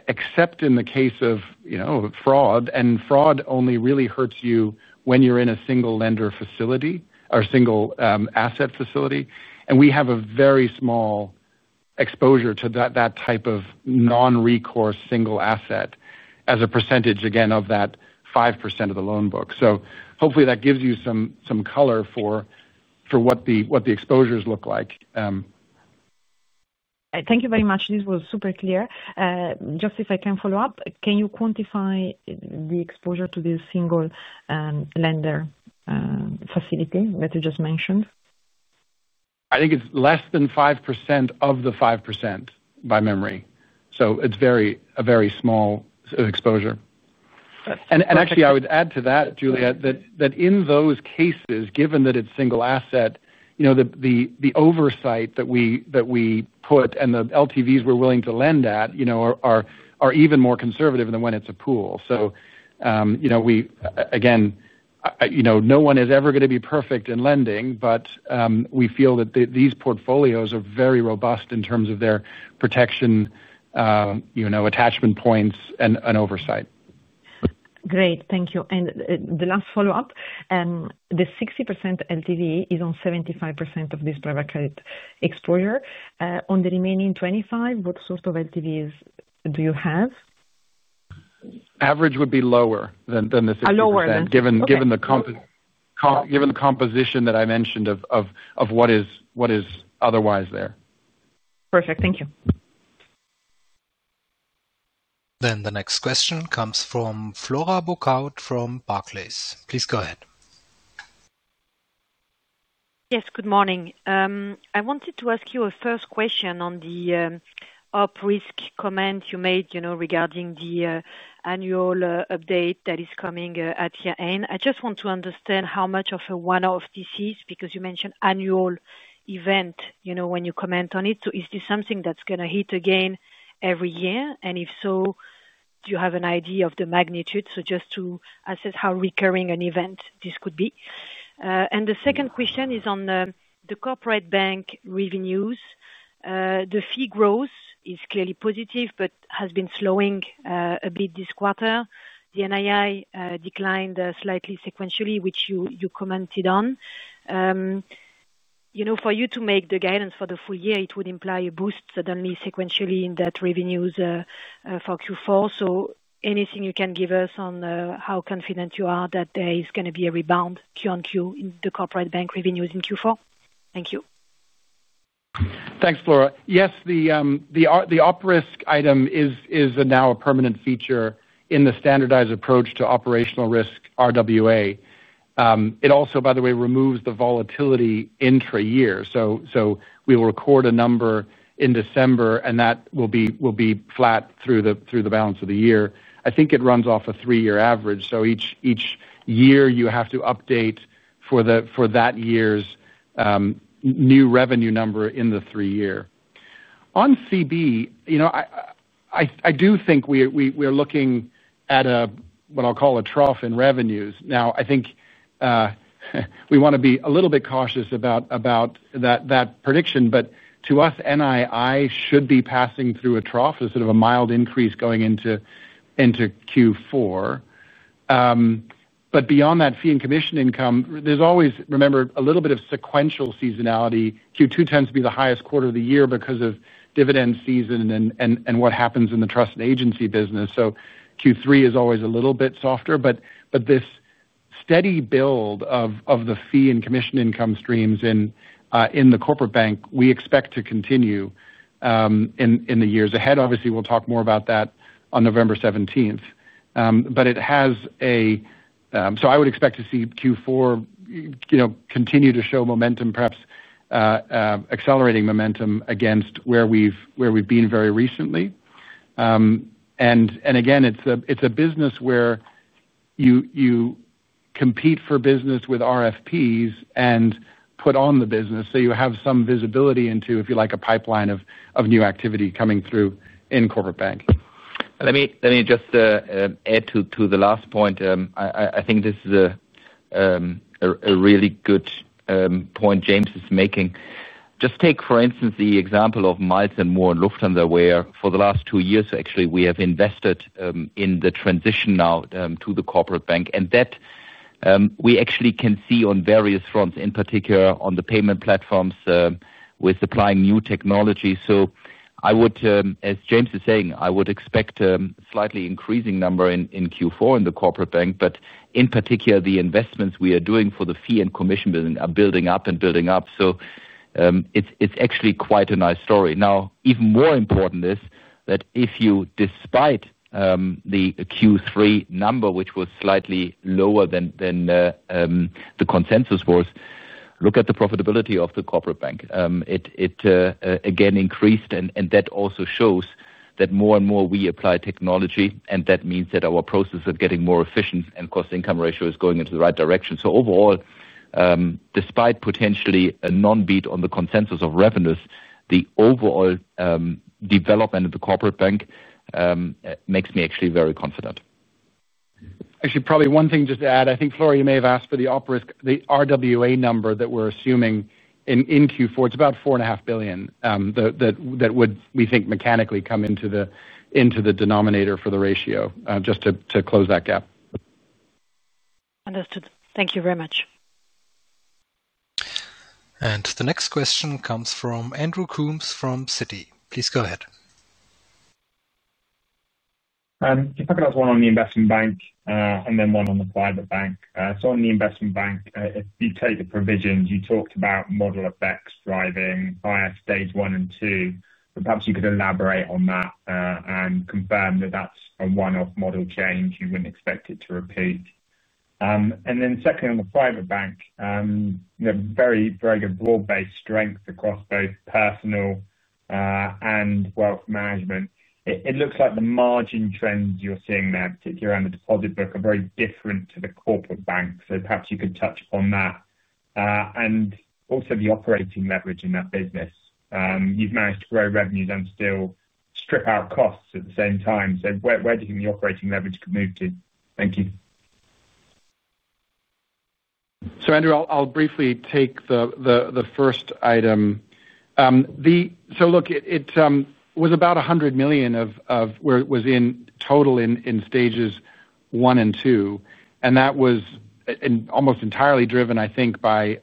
except in the case of fraud. Fraud only really hurts you when you're in a single lender facility or a single asset facility. We have a very small exposure to that type of non-recourse single asset as a percentage, again, of that 5% of the loan book. Hopefully that gives you some color for what the exposures look like. Thank you very much. This was super clear. Just if I can follow up, can you quantify the exposure to this single lender facility that you just mentioned? I think it's less than 5% of the 5% by memory. It's a very small exposure. I would add to that, Giulia, that in those cases, given that it's single asset, the oversight that we put and the LTVs we're willing to lend at are even more conservative than when it's a pool. No one is ever going to be perfect in lending, but we feel that these portfolios are very robust in terms of their protection, attachment points, and oversight. Great, thank you. The last follow-up, the 60% LTV is on 75% of this private credit exposure. On the remaining 25%, what sort of LTVs do you have? Average would be lower than the 60%, given the composition that I mentioned of what is otherwise there. Perfect, thank you. The next question comes from Flora Bocahut from Barclays. Please go ahead. Yes, good morning. I wanted to ask you a first question on the operational risk comment you made regarding the annual update that is coming at year end. I just want to understand how much of a one-off this is because you mentioned annual event when you comment on it. Is this something that's going to hit again every year? If so, do you have an idea of the magnitude? Just to assess how recurring an event this could be. The second question is on the corporate bank revenues. The fee growth is clearly positive, but has been slowing a bit this quarter. The NII declined slightly sequentially, which you commented on. For you to make the guidance for the full year, it would imply a boost suddenly sequentially in debt revenues for Q4. Is there anything you can give us on how confident you are that there is going to be a rebound, Q on Q, in the corporate bank revenues in Q4? Thank you. Thanks, Flora. Yes, the op risk item is now a permanent feature in the standardized approach to operational risk RWA. It also, by the way, removes the volatility intra-year. We will record a number in December, and that will be flat through the balance of the year. I think it runs off a three-year average. Each year you have to update for that year's new revenue number in the three-year. On corporate bank, I do think we are looking at what I'll call a trough in revenues. I think we want to be a little bit cautious about that prediction. To us, NII should be passing through a trough, a sort of a mild increase going into Q4. Beyond that, fee and commission income, there's always, remember, a little bit of sequential seasonality. Q2 tends to be the highest quarter of the year because of dividend season and what happens in the trust and agency business. Q3 is always a little bit softer. This steady build of the fee and commission income streams in the corporate bank, we expect to continue in the years ahead. Obviously, we'll talk more about that on November 17, 2025. It has a, so I would expect to see Q4 continue to show momentum, perhaps accelerating momentum against where we've been very recently. It's a business where you compete for business with RFPs and put on the business. You have some visibility into, if you like, a pipeline of new activity coming through in corporate bank. Let me just add to the last point. I think this is a really good point James is making. Just take, for instance, the example of Miles and More and Lufthansa, where for the last two years, actually, we have invested in the transition now to the corporate bank. We actually can see on various fronts, in particular on the payment platforms with supplying new technology. As James is saying, I would expect a slightly increasing number in Q4 in the corporate bank. In particular, the investments we are doing for the fee and commission building are building up and building up. It's actually quite a nice story. Even more important is that if you, despite the Q3 number, which was slightly lower than the consensus was, look at the profitability of the corporate bank. It again increased, and that also shows that more and more we apply technology, and that means that our processes are getting more efficient and the cost-to-income ratio is going in the right direction. Overall, despite potentially a non-beat on the consensus of revenues, the overall development of the corporate bank makes me actually very confident. Actually, probably one thing just to add, I think, Flora, you may have asked for the op risk, the RWA number that we're assuming in Q4. It's about $4.5 billion that would, we think, mechanically come into the denominator for the ratio, just to close that gap. Understood. Thank you very much. The next question comes from Andrew Coombs from Citi. Please go ahead. I think I've got one on the investment bank and then one on the private bank. On the investment bank, if you take the provisions, you talked about model effects driving higher stage one and two. Perhaps you could elaborate on that and confirm that that's a one-off model change you wouldn't expect to repeat. Secondly, on the private bank, you have very, very good broad-based strength across both personal and wealth management. It looks like the margin trends you're seeing there, particularly around the deposit book, are very different to the corporate bank. Perhaps you could touch upon that and also the operating leverage in that business. You've managed to grow revenues and still strip out costs at the same time. Where do you think the operating leverage could move to? Thank you. Andrew, I'll briefly take the first item. It was about $100 million of where it was in total in stages one and two. That was almost entirely driven, I think, by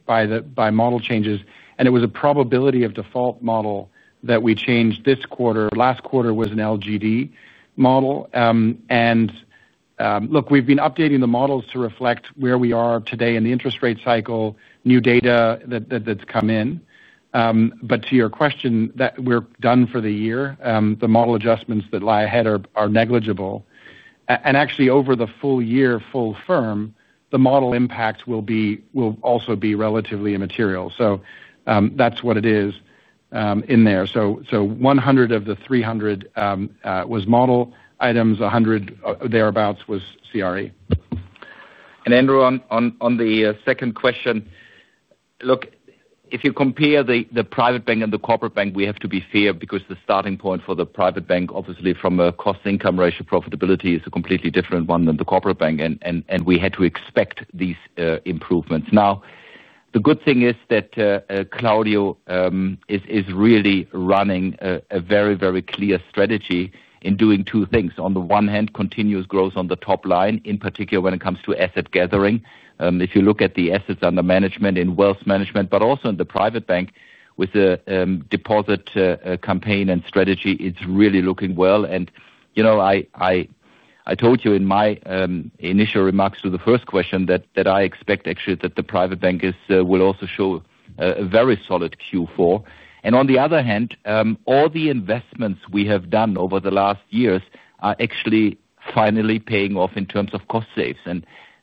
model changes. It was a probability of default model that we changed this quarter. Last quarter was an LGD model. We've been updating the models to reflect where we are today in the interest rate cycle, new data that's come in. To your question, we're done for the year. The model adjustments that lie ahead are negligible. Actually, over the full year, full firm, the model impacts will also be relatively immaterial. That's what it is in there. $100 million of the $300 million was model items, $100 million thereabouts was CRE. Andrew, on the second question, look, if you compare the private bank and the corporate bank, we have to be fair because the starting point for the private bank, obviously, from a cost-to-income ratio profitability is a completely different one than the corporate bank. We had to expect these improvements. The good thing is that Claudio is really running a very, very clear strategy in doing two things. On the one hand, continuous growth on the top line, in particular when it comes to asset gathering. If you look at the assets under management in wealth management, but also in the private bank with the deposit campaign and strategy, it's really looking well. You know, I told you in my initial remarks to the first question that I expect actually that the private bank will also show a very solid Q4. On the other hand, all the investments we have done over the last years are actually finally paying off in terms of cost saves.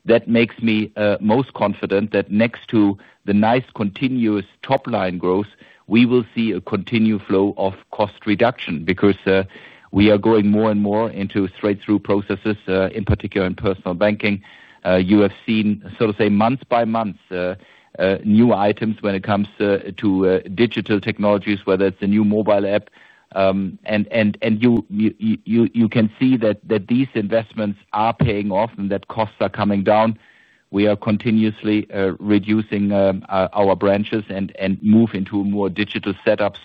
That makes me most confident that next to the nice continuous top line growth, we will see a continued flow of cost reduction because we are going more and more into straight-through processes, in particular in personal banking. You have seen, so to say, month by month, new items when it comes to digital technologies, whether it's a new mobile app. You can see that these investments are paying off and that costs are coming down. We are continuously reducing our branches and move into a more digital setup.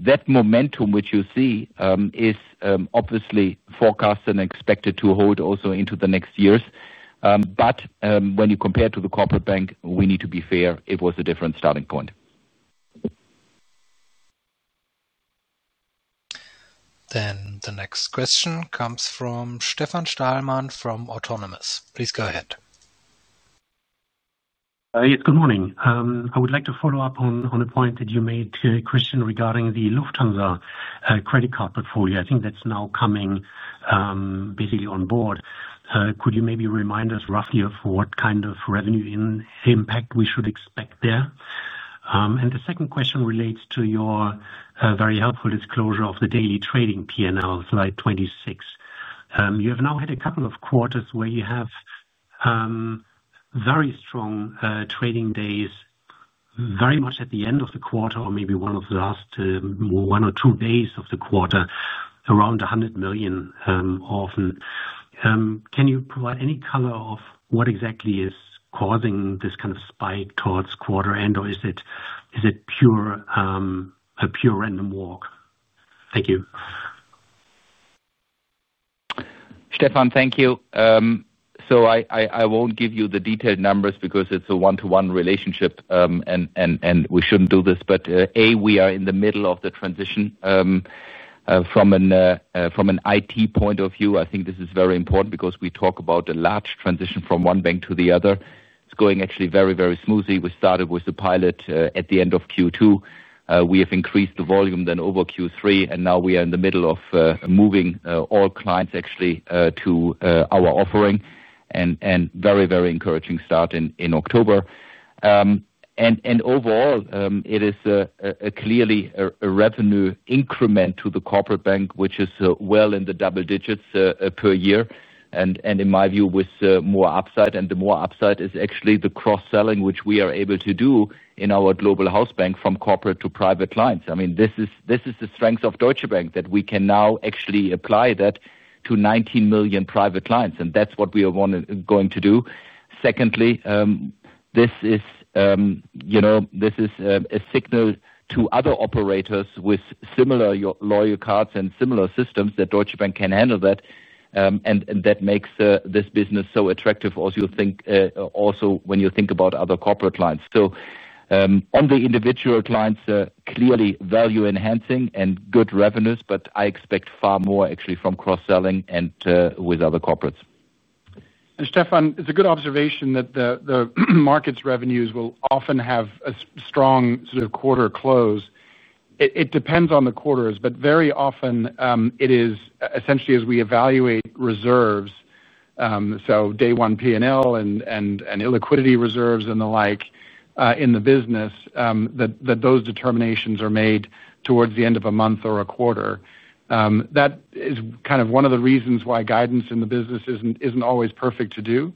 That momentum, which you see, is obviously forecast and expected to hold also into the next years. When you compare to the corporate bank, we need to be fair. It was a different starting point. The next question comes from Stefan Stalmann from Autonomous. Please go ahead. Yes, good morning. I would like to follow up on the point that you made, Christian, regarding the Lufthansa credit card portfolio. I think that's now coming basically on board. Could you maybe remind us roughly of what kind of revenue impact we should expect there? The second question relates to your very helpful disclosure of the daily trading P&L, slide 26. You have now had a couple of quarters where you have very strong trading days, very much at the end of the quarter or maybe one of the last one or two days of the quarter, around $100 million often. Can you provide any color of what exactly is causing this kind of spike towards quarter end, or is it a pure random walk? Thank you. Stefan, thank you. I won't give you the detailed numbers because it's a one-to-one relationship, and we shouldn't do this. A, we are in the middle of the transition. From an IT point of view, I think this is very important because we talk about a large transition from one bank to the other. It's going actually very, very smoothly. We started with the pilot at the end of Q2. We have increased the volume then over Q3, and now we are in the middle of moving all clients to our offering. Very, very encouraging start in October. Overall, it is clearly a revenue increment to the corporate bank, which is well in the double digits per year. In my view, with more upside, and the more upside is actually the cross-selling, which we are able to do in our global house bank from corporate to private clients. This is the strength of Deutsche Bank that we can now apply that to 19 million private clients. That's what we are going to do. Secondly, this is a signal to other operators with similar loyal cards and similar systems that Deutsche Bank can handle that. That makes this business so attractive, as you think, also when you think about other corporate clients. On the individual clients, clearly value enhancing and good revenues, but I expect far more from cross-selling and with other corporates. Stefan, it's a good observation that the market's revenues will often have a strong sort of quarter close. It depends on the quarters, but very often it is essentially as we evaluate reserves. Day one P&L and illiquidity reserves and the like in the business, those determinations are made towards the end of a month or a quarter. That is kind of one of the reasons why guidance in the business isn't always perfect to do.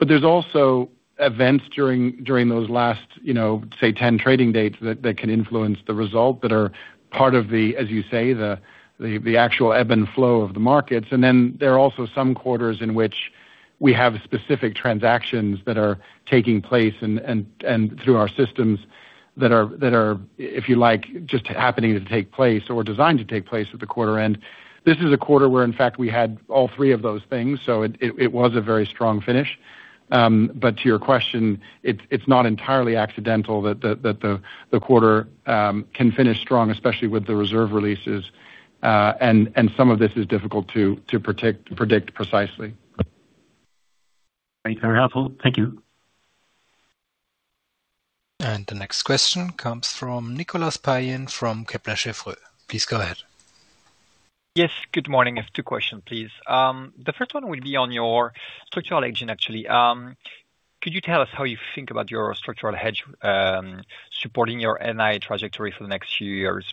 There are also events during those last, you know, say, 10 trading days that can influence the result that are part of the, as you say, the actual ebb and flow of the markets. There are also some quarters in which we have specific transactions that are taking place and through our systems that are, if you like, just happening to take place or designed to take place at the quarter end. This is a quarter where, in fact, we had all three of those things. It was a very strong finish. To your question, it's not entirely accidental that the quarter can finish strong, especially with the reserve releases. Some of this is difficult to predict precisely. Thank you. Very helpful. Thank you. The next question comes from Nicolas Payen from Kepler Cheuvreux. Please go ahead. Yes, good morning. I have two questions, please. The first one would be on your structural hedging, actually. Could you tell us how you think about your structural hedge supporting your NII trajectory for the next few years?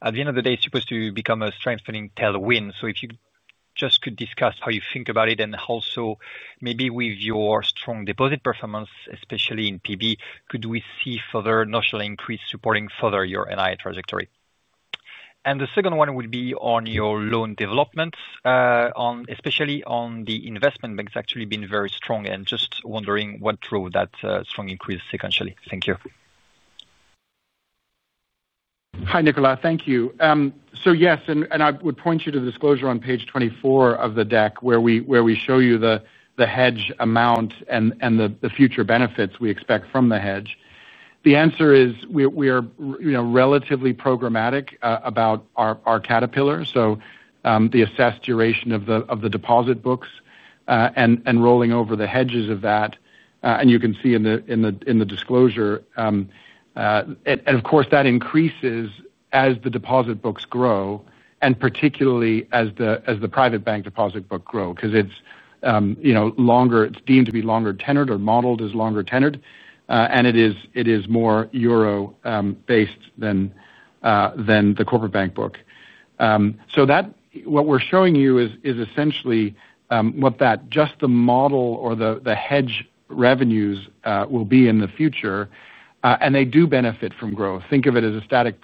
At the end of the day, it's supposed to become a strengthening tailwind. If you could discuss how you think about it and also maybe with your strong deposit performance, especially in PB, could we see further notional increase supporting further your NI trajectory? The second one would be on your loan developments, especially on the investment bank's actually been very strong. Just wondering what drove that strong increase sequentially. Thank you. Hi, Nicolas. Thank you. Yes, I would point you to the disclosure on page 24 of the deck where we show you the hedge amount and the future benefits we expect from the hedge. The answer is we are relatively programmatic about our caterpillar. The assessed duration of the deposit books and rolling over the hedges of that, you can see in the disclosure. Of course, that increases as the deposit books grow, particularly as the private bank deposit book grows because it's longer, it's deemed to be longer tenored or modeled as longer tenored, and it is more euro-based than the corporate bank book. What we're showing you is essentially just the model or the hedge revenues will be in the future, and they do benefit from growth. Think of it as a static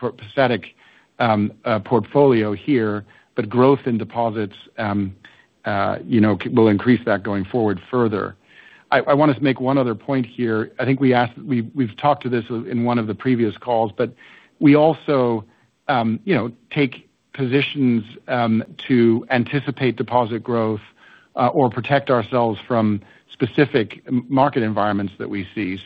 portfolio here, but growth in deposits will increase that going forward further. I want to make one other point here. I think we've talked to this in one of the previous calls, but we also take positions to anticipate deposit growth or protect ourselves from specific market environments that we see.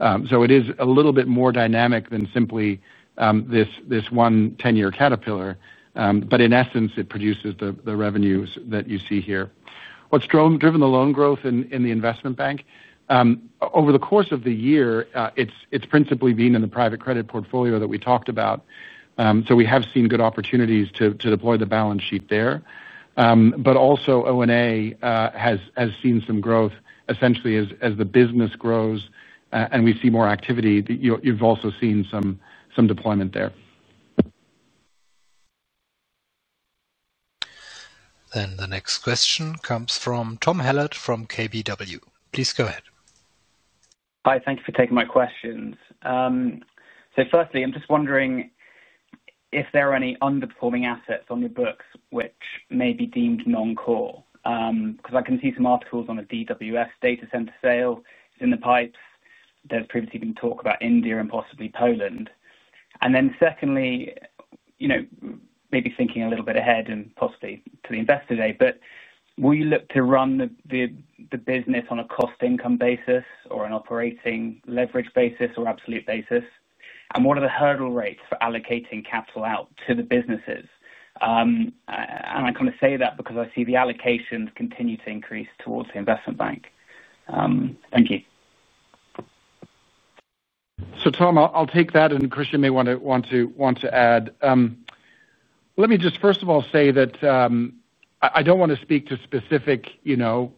It is a little bit more dynamic than simply this one 10-year caterpillar, but in essence, it produces the revenues that you see here. What's driven the loan growth in the investment bank? Over the course of the year, it's principally been in the private credit portfolio that we talked about. We have seen good opportunities to deploy the balance sheet there, but also O&A has seen some growth essentially as the business grows and we see more activity. You've also seen some deployment there. The next question comes from Tom Hallett from KBW. Please go ahead. Hi, thank you for taking my questions. Firstly, I'm just wondering if there are any underperforming assets on your books which may be deemed non-core because I can see some articles on a DWS data center sale in the pipes. There's previously been talk about India and possibly Poland. Secondly, maybe thinking a little bit ahead and possibly to the investor day, will you look to run the business on a cost-to-income basis or an operating leverage basis or absolute basis? What are the hurdle rates for allocating capital out to the businesses? I kind of say that because I see the allocations continue to increase towards the investment bank. Thank you. Tom, I'll take that and Christian may want to add. Let me just first of all say that I don't want to speak to specific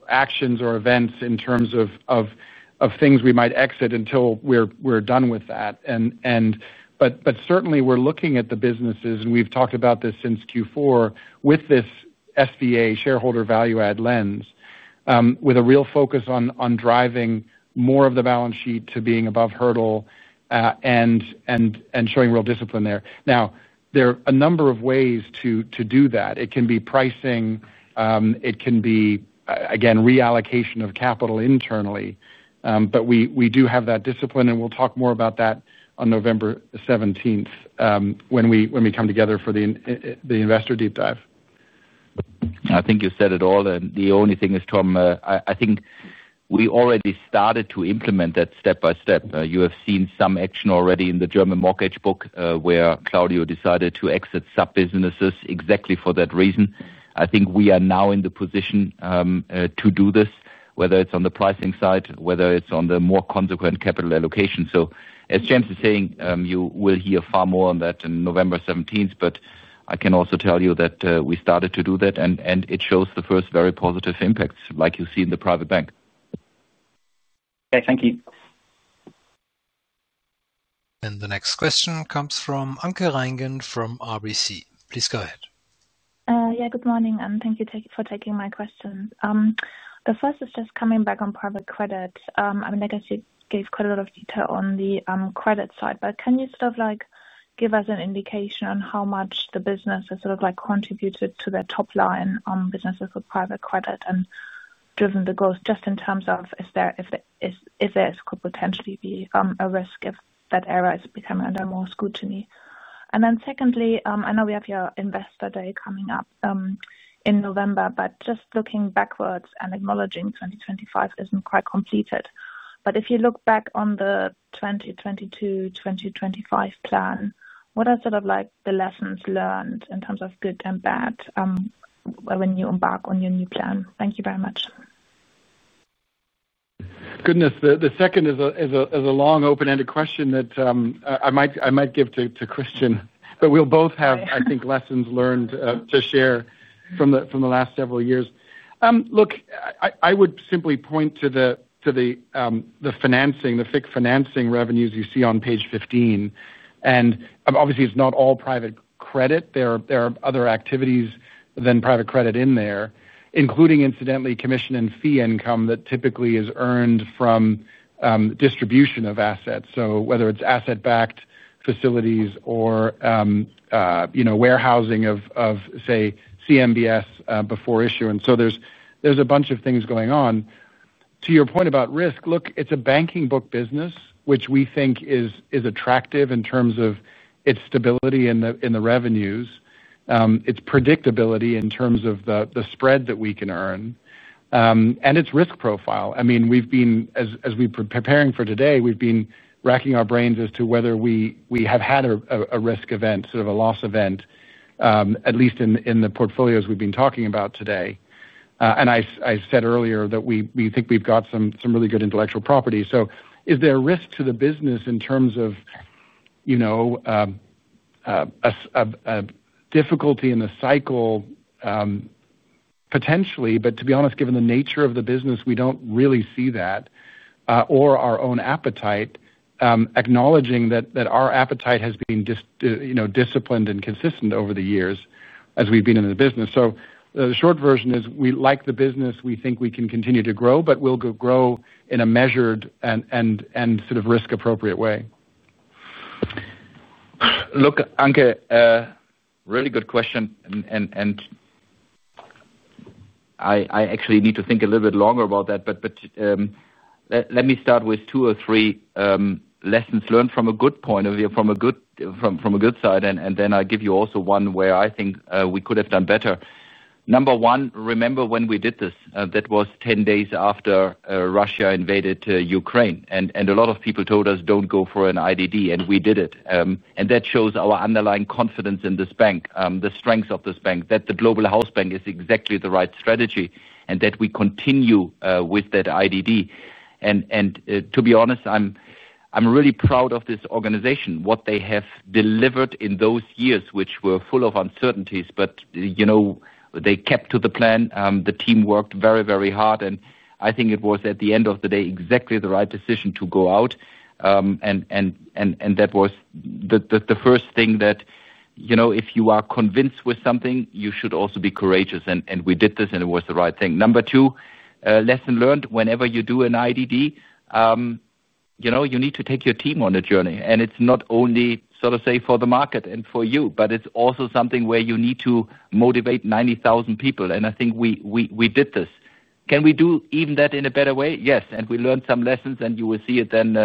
actions or events in terms of things we might exit until we're done with that. Certainly, we're looking at the businesses and we've talked about this since Q4 with this SVA, shareholder value-add lens, with a real focus on driving more of the balance sheet to being above hurdle and showing real discipline there. There are a number of ways to do that. It can be pricing. It can be, again, reallocation of capital internally. We do have that discipline and we'll talk more about that on November 17, 2025, when we come together for the investor deep dive in London. I think you've said it all, and the only thing is, Tom, I think we already started to implement that step by step. You have seen some action already in the German mortgage book where Claudio decided to exit sub-businesses exactly for that reason. I think we are now in the position to do this, whether it's on the pricing side or whether it's on the more consequent capital allocation. As James is saying, you will hear far more on that on November 17, 2025, but I can also tell you that we started to do that, and it shows the first very positive impacts like you see in the private bank. Okay, thank you. The next question comes from Anke Reingen from RBC. Please go ahead. Yeah, good morning and thank you for taking my questions. The first is just coming back on private credit. I mean, I guess you gave quite a lot of detail on the credit side, but can you give us an indication on how much the business has contributed to their top line businesses with private credit and driven the growth just in terms of if there could potentially be a risk if that area is becoming under more scrutiny? Secondly, I know we have your investor day coming up in November, but just looking backwards and acknowledging 2025 isn't quite completed. If you look back on the 2022-2025 plan, what are the lessons learned in terms of good and bad when you embark on your new plan? Thank you very much. Goodness, the second is a long open-ended question that I might give to Christian, but we'll both have, I think, lessons learned to share from the last several years. Look, I would simply point to the financing, the FIC financing revenues you see on page 15. Obviously, it's not all private credit. There are other activities than private credit in there, including incidentally commission and fee income that typically is earned from distribution of assets. Whether it's asset-backed facilities or warehousing of, say, CMBS before issuance, there's a bunch of things going on. To your point about risk, it's a banking book business, which we think is attractive in terms of its stability in the revenues, its predictability in terms of the spread that we can earn, and its risk profile. We've been, as we're preparing for today, racking our brains as to whether we have had a risk event, sort of a loss event, at least in the portfolios we've been talking about today. I said earlier that we think we've got some really good intellectual property. Is there a risk to the business in terms of, you know, a difficulty in the cycle potentially? To be honest, given the nature of the business, we don't really see that or our own appetite, acknowledging that our appetite has been disciplined and consistent over the years as we've been in the business. The short version is we like the business, we think we can continue to grow, but we'll grow in a measured and sort of risk-appropriate way. Look, Anke, really good question. I actually need to think a little bit longer about that. Let me start with two or three lessons learned from a good point of view, from a good side. I'll give you also one where I think we could have done better. Number one, remember when we did this, that was 10 days after Russia invaded Ukraine. A lot of people told us, "Don't go for an IDD." We did it. That shows our underlying confidence in this bank, the strengths of this bank, that the global house bank is exactly the right strategy, and that we continue with that IDD. To be honest, I'm really proud of this organization, what they have delivered in those years, which were full of uncertainties. You know. Kept to the plan. The team worked very, very hard. I think it was, at the end of the day, exactly the right decision to go out. That was the first thing that, you know, if you are convinced with something, you should also be courageous. We did this, and it was the right thing. Number two, lesson learned: whenever you do an IDD, you need to take your team on a journey. It's not only, so to say, for the market and for you, but it's also something where you need to motivate 90,000 people. I think we did this. Can we do even that in a better way? Yes. We learned some lessons, and you will see it then,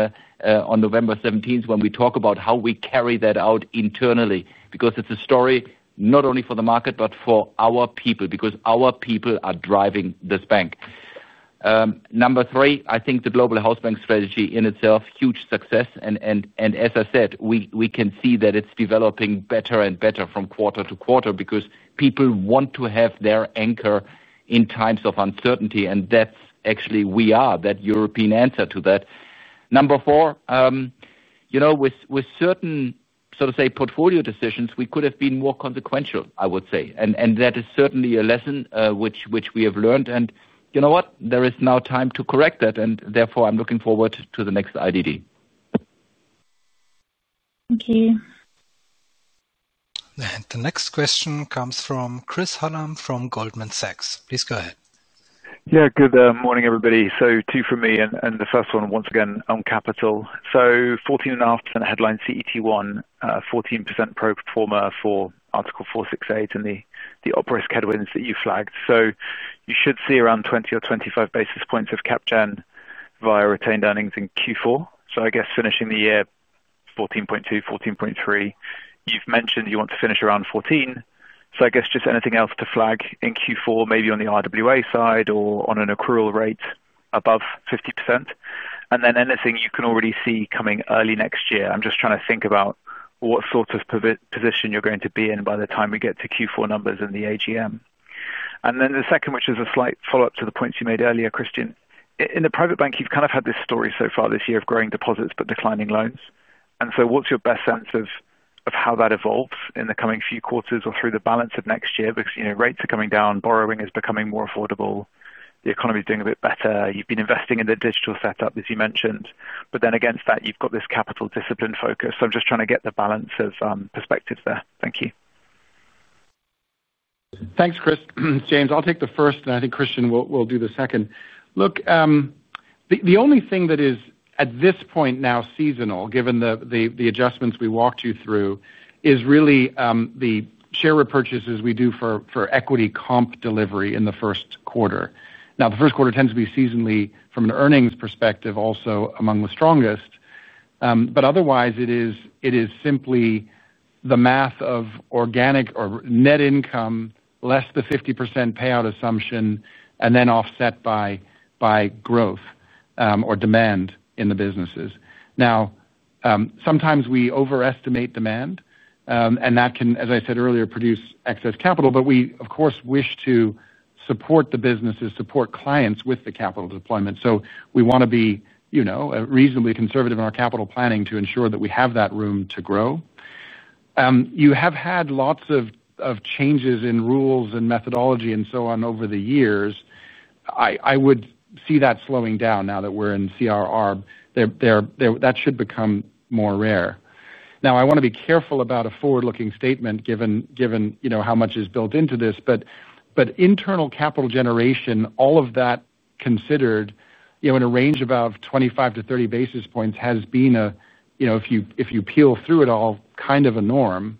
on November 17, 2025, when we talk about how we carry that out internally because it's a story not only for the market but for our people, because our people are driving this bank. Number three, I think the global health bank strategy in itself, huge success. As I said, we can see that it's developing better and better from quarter to quarter because people want to have their anchor in times of uncertainty. That's actually, we are that European answer to that. Number four, with certain, so to say, portfolio decisions, we could have been more consequential, I would say. That is certainly a lesson which we have learned. You know what? There is now time to correct that. Therefore, I'm looking forward to the next IDD. Thank you. The next question comes from Chris Hallam from Goldman Sachs. Please go ahead. Good morning, everybody. Two from me. The first one, once again, on capital. Fourteen and a half percent headline CET1, 14% pro forma for Article 468 in the operates headwinds that you flagged. You should see around 20 or 25 basis points of cap gen via retained earnings in Q4. I guess finishing the year 14.2, 14.3. You've mentioned you want to finish around 14. Anything else to flag in Q4, maybe on the RWA side or on an accrual rate above 50%? Anything you can already see coming early next year? I'm just trying to think about what sort of position you're going to be in by the time we get to Q4 numbers in the AGM. The second, which is a slight follow-up to the points you made earlier, Christian, in the private bank, you've kind of had this story so far this year of growing deposits but declining loans. What's your best sense of how that evolves in the coming few quarters or through the balance of next year? Rates are coming down, borrowing is becoming more affordable, the economy's doing a bit better, you've been investing in the digital setup, as you mentioned. Against that, you've got this capital discipline focus. I'm just trying to get the balance of perspectives there. Thank you. Thanks, Chris. James, I'll take the first, and I think Christian will do the second. Look, the only thing that is, at this point now, seasonal, given the adjustments we walked you through, is really the share repurchases we do for equity comp delivery in the first quarter. Now, the first quarter tends to be seasonally from an earnings perspective also among the strongest, but otherwise, it is simply the math of organic or net income, less the 50% payout assumption, and then offset by growth or demand in the businesses. Now, sometimes we overestimate demand, and that can, as I said earlier, produce excess capital. We, of course, wish to support the businesses, support clients with the capital deployment. We want to be reasonably conservative in our capital planning to ensure that we have that room to grow. You have had lots of changes in rules and methodology and so on over the years. I would see that slowing down now that we're in CRR. That should become more rare. I want to be careful about a forward-looking statement given how much is built into this. Internal capital generation, all of that considered, in a range of about 25 to 30 basis points has been, if you peel through it all, kind of a norm.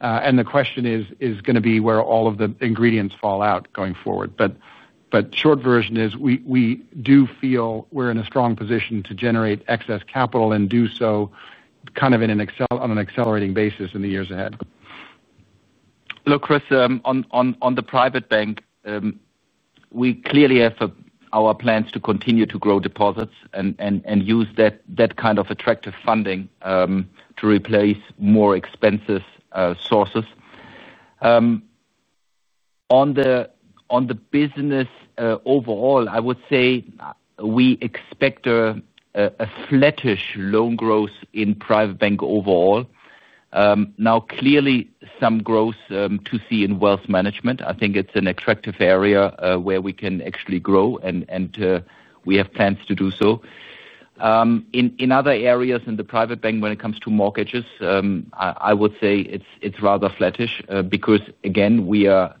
The question is going to be where all of the ingredients fall out going forward. Short version is we do feel we're in a strong position to generate excess capital and do so in an accelerating basis in the years ahead. Look, Chris, on the private bank, we clearly have our plans to continue to grow deposits and use that kind of attractive funding to replace more expensive sources. On the business overall, I would say we expect a flattish loan growth in private bank overall. Now, clearly, some growth to see in wealth management. I think it's an attractive area where we can actually grow and we have plans to do so. In other areas in the private bank, when it comes to mortgages, I would say it's rather flattish because, again, we are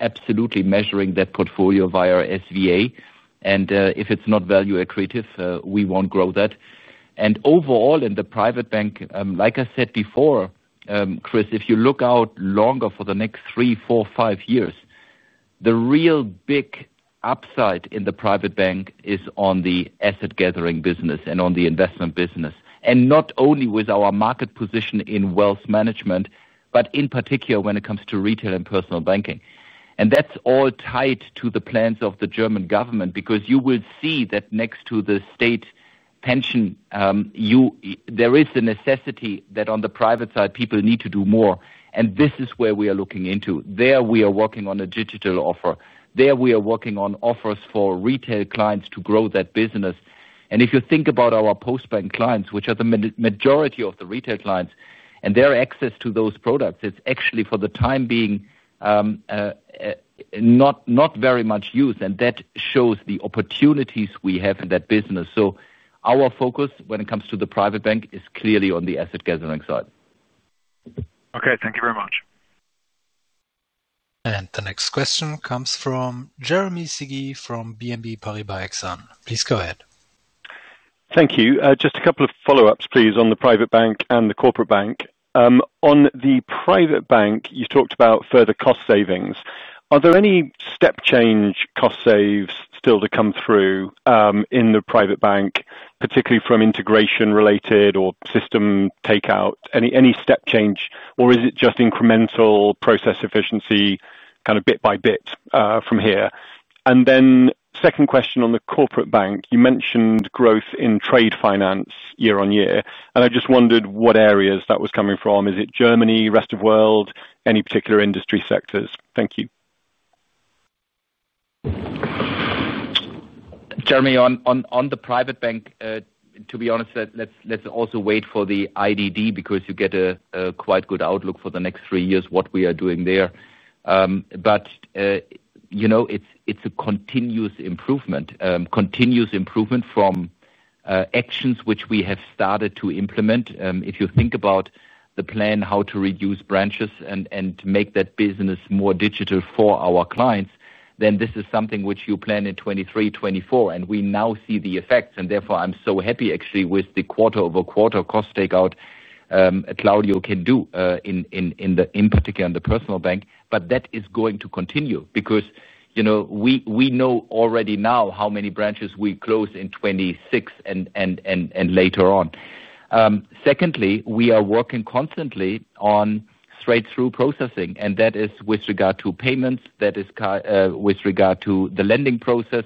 absolutely measuring that portfolio via SVA. If it's not value accretive, we won't grow that. Overall, in the private bank, like I said before, Chris, if you look out longer for the next three, four, five years, the real big upside in the private bank is on the asset gathering business and on the investment business. Not only with our market position in wealth management, but in particular when it comes to retail and personal banking. That's all tied to the plans of the German government because you will see that next to the state pension, there is the necessity that on the private side, people need to do more. This is where we are looking into. There, we are working on a digital offer. There, we are working on offers for retail clients to grow that business. If you think about our Postbank clients, which are the majority of the retail clients, and their access to those products, it's actually, for the time being, not very much used. That shows the opportunities we have in that business. Our focus, when it comes to the private bank, is clearly on the asset gathering side. Okay, thank you very much. The next question comes from Jeremy Sigee from BNP Paribas Exane. Please go ahead. Thank you. Just a couple of follow-ups, please, on the private bank and the corporate bank. On the private bank, you talked about further cost savings. Are there any step change cost saves still to come through in the private bank, particularly from integration related or system takeout? Any step change, or is it just incremental process efficiency, kind of bit by bit from here? Second question on the corporate bank. You mentioned growth in trade finance year-on-year. I just wondered what areas that was coming from. Is it Germany, rest of world, any particular industry sectors? Thank you. Jeremy, on the private bank, to be honest, let's also wait for the IDD because you get a quite good outlook for the next three years what we are doing there. You know, it's a continuous improvement from actions which we have started to implement. If you think about the plan how to reduce branches and make that business more digital for our clients, this is something which you plan in 2023, 2024. We now see the effects. Therefore, I'm so happy, actually, with the quarter over quarter cost takeout Claudio can do, in particular in the private bank. That is going to continue because we know already now how many branches we close in 2026 and later on. Secondly, we are working constantly on straight-through processing. That is with regard to payments, with regard to the lending process,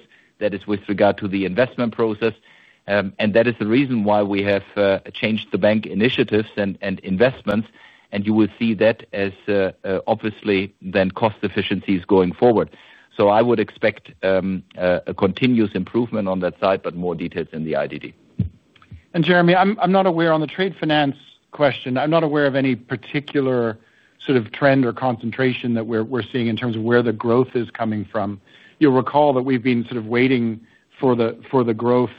with regard to the investment process. That is the reason why we have changed the bank initiatives and investments. You will see that as, obviously, then cost efficiencies going forward. I would expect a continuous improvement on that side, but more details in the IDD. Jeremy, I'm not aware on the trade finance question, I'm not aware of any particular sort of trend or concentration that we're seeing in terms of where the growth is coming from. You'll recall that we've been sort of waiting for the growth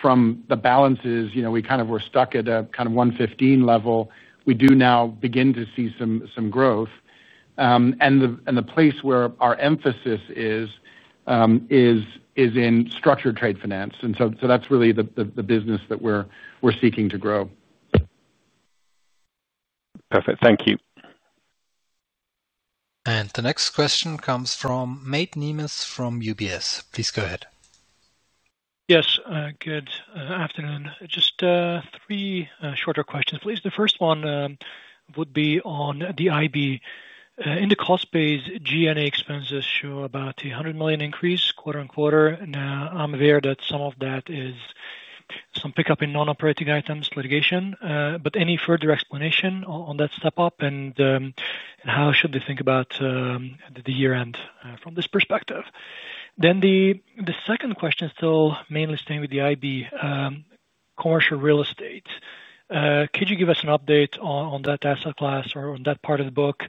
from the balances. We kind of were stuck at a kind of $115 level. We do now begin to see some growth, and the place where our emphasis is in structured trade finance. That's really the business that we're seeking to grow. Perfect. Thank you. The next question comes from Mate Nemes from UBS. Please go ahead. Yes. Good afternoon. Just three shorter questions, please. The first one would be on the IB. In the cost base, G&A expenses show about $100 million increase quarter on quarter. Now, I'm aware that some of that is some pickup in non-operating items, litigation, but any further explanation on that step up and how should they think about the year end from this perspective? The second question is still mainly staying with the IB, commercial real estate. Could you give us an update on that asset class or on that part of the book?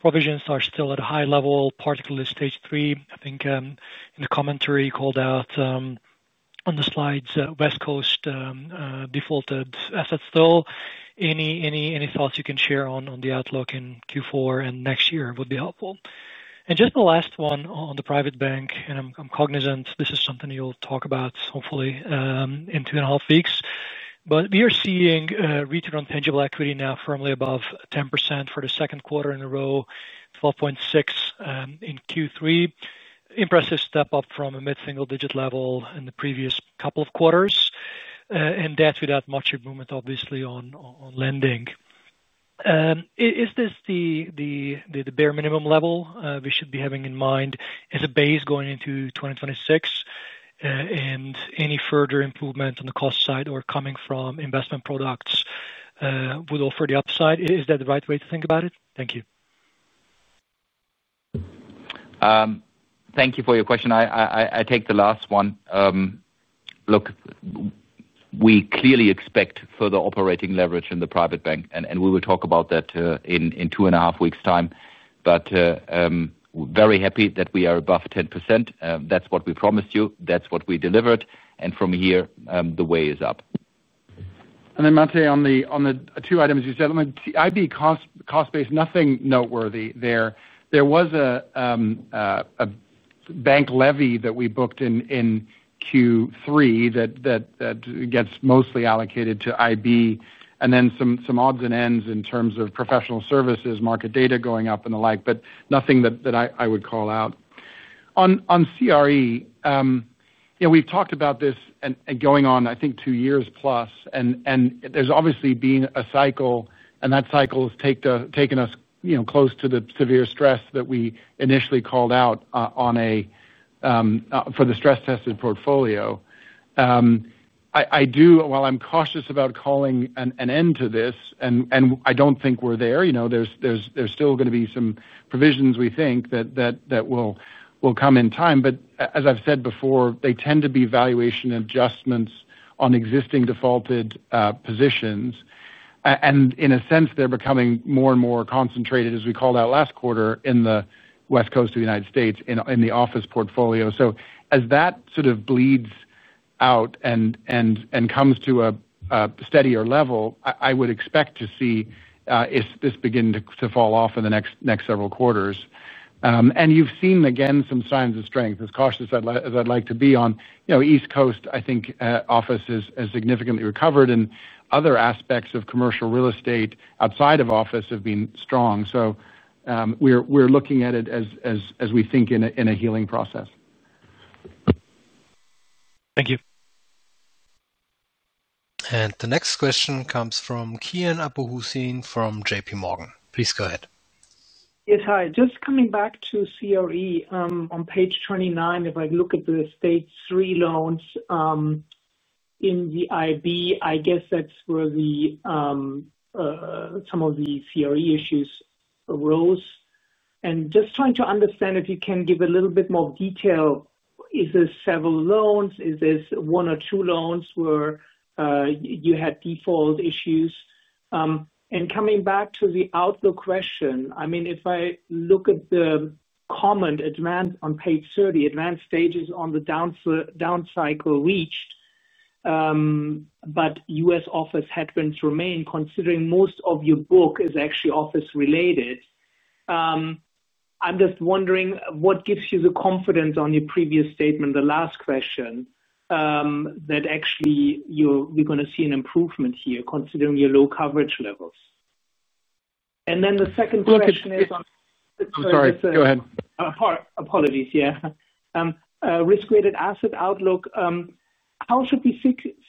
Provisions are still at a high level, particularly stage three. I think in the commentary, you called out on the slides, West Coast defaulted assets still. Any thoughts you can share on the outlook in Q4 and next year would be helpful. Just the last one on the private bank, and I'm cognizant this is something you'll talk about, hopefully, in two and a half weeks. We are seeing return on tangible equity now firmly above 10% for the second quarter in a row, 12.6% in Q3. Impressive step up from a mid-single-digit level in the previous couple of quarters, and that's without much improvement, obviously, on lending. Is this the bare minimum level we should be having in mind as a base going into 2026? Any further improvement on the cost side or coming from investment products would offer the upside. Is that the right way to think about it? Thank you. Thank you for your question. I will take the last one. Look, we clearly expect further operating leverage in the private bank, and we will talk about that in two and a half weeks' time. Very happy that we are above 10%. That's what we promised you, that's what we delivered, and from here, the way is up. Mate, on the two items you said, let me see. IB cost, cost base, nothing noteworthy there. There was a bank levy that we booked in Q3 that gets mostly allocated to IB. Then some odds and ends in terms of professional services, market data going up and the like, but nothing that I would call out. On CRE, we've talked about this and going on, I think, two years plus. There's obviously been a cycle, and that cycle has taken us close to the severe stress that we initially called out for the stress-tested portfolio. While I'm cautious about calling an end to this, and I don't think we're there, there's still going to be some provisions we think that will come in time. As I've said before, they tend to be valuation adjustments on existing defaulted positions. In a sense, they're becoming more and more concentrated, as we called out last quarter, in the West Coast of the United States, in the office portfolio. As that sort of bleeds out and comes to a steadier level, I would expect to see this begin to fall off in the next several quarters. You've seen, again, some signs of strength. As cautious as I'd like to be on East Coast, I think office has significantly recovered. Other aspects of commercial real estate outside of office have been strong. We're looking at it as we think in a healing process. Thank you. The next question comes from Kian Abouhossein from JPMorgan. Please go ahead. Yes. Hi. Just coming back to CRE. On page 29, if I look at the stage 3 loans, in the IB, I guess that's where some of the CRE issues arose. Just trying to understand if you can give a little bit more detail. Is this several loans? Is this one or two loans where you had default issues? Coming back to the outlook question, if I look at the comment advanced on page 30, advanced stages on the downcycle reached, but U.S. office headwinds remain, considering most of your book is actually office-related. I'm just wondering, what gives you the confidence on your previous statement, the last question, that actually you're going to see an improvement here considering your low coverage levels? The second question is on. I'm sorry. Go ahead. Apologies, yeah. Risk-weighted asset outlook, how should we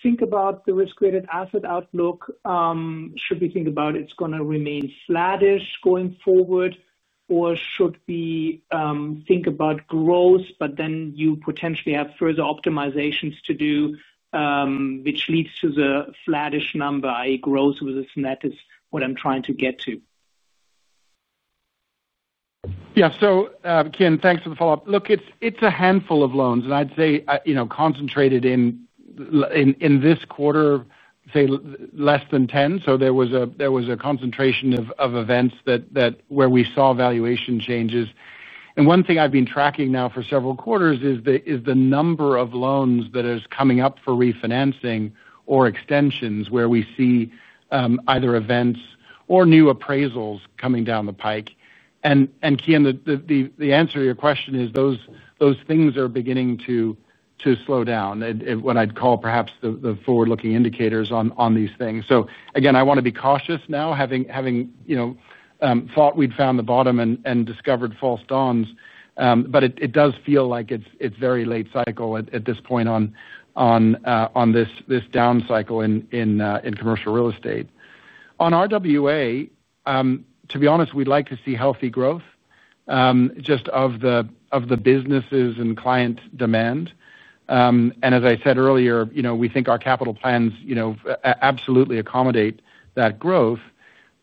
think about the risk-weighted asset outlook? Should we think about it's going to remain flattish going forward, or should we think about growth, but then you potentially have further optimizations to do, which leads to the flattish number, i.e., growth versus net is what I'm trying to get to. Yeah. Kian, thanks for the follow-up. Look, it's a handful of loans. I'd say, you know, concentrated in this quarter, less than ten. There was a concentration of events where we saw valuation changes. One thing I've been tracking now for several quarters is the number of loans that are coming up for refinancing or extensions where we see either events or new appraisals coming down the pike. Kian, the answer to your question is those things are beginning to slow down. What I'd call perhaps the forward-looking indicators on these things. I want to be cautious now, having thought we'd found the bottom and discovered false dawns. It does feel like it's very late cycle at this point on this downcycle in commercial real estate. On RWA, to be honest, we'd like to see healthy growth, just of the businesses and client demand. As I said earlier, we think our capital plans absolutely accommodate that growth.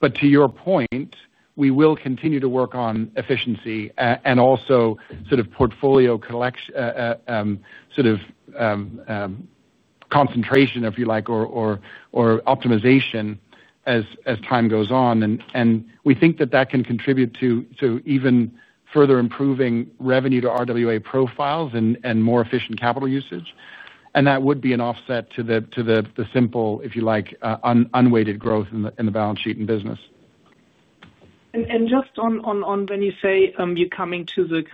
To your point, we will continue to work on efficiency and also sort of portfolio collection, concentration, if you like, or optimization as time goes on. We think that can contribute to even further improving revenue to RWA profiles and more efficient capital usage. That would be an offset to the simple, if you like, unweighted growth in the balance sheet and business. When you say you're coming to the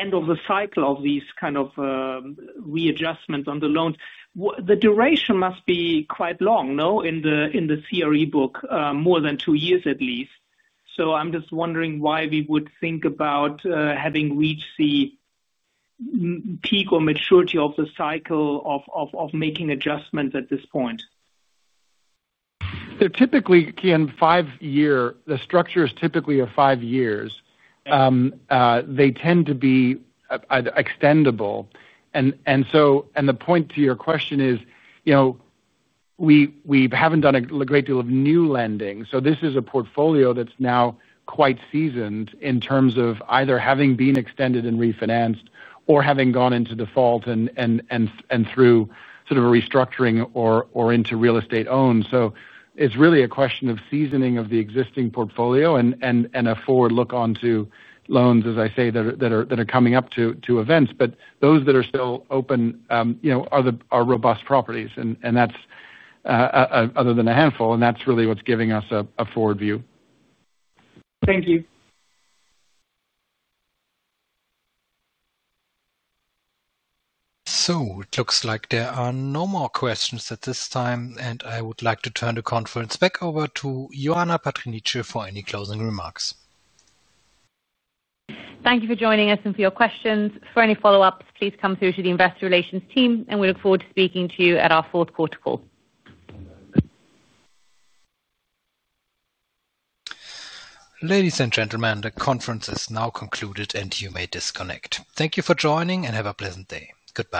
end of the cycle of these readjustments on the loans, the duration must be quite long, no? In the CRE book, more than two years at least. I'm just wondering why we would think about having reached the peak or maturity of the cycle of making adjustments at this point. Typically, Kian, the structure is of five years. They tend to be extendable, and the point to your question is, you know, we haven't done a great deal of new lending. This is a portfolio that's now quite seasoned in terms of either having been extended and refinanced or having gone into default and through sort of a restructuring or into real estate owned. It's really a question of seasoning of the existing portfolio and a forward look onto loans, as I say, that are coming up to events. Those that are still open are robust properties, other than a handful. That's really what's giving us a forward view. Thank you. It looks like there are no more questions at this time. I would like to turn the conference back over to Ioana Patriniche for any closing remarks. Thank you for joining us and for your questions. For any follow-ups, please come through to the Investor Relations team. We look forward to speaking to you at our fourth quarter call. Ladies and gentlemen, the conference is now concluded, and you may disconnect. Thank you for joining and have a pleasant day. Goodbye.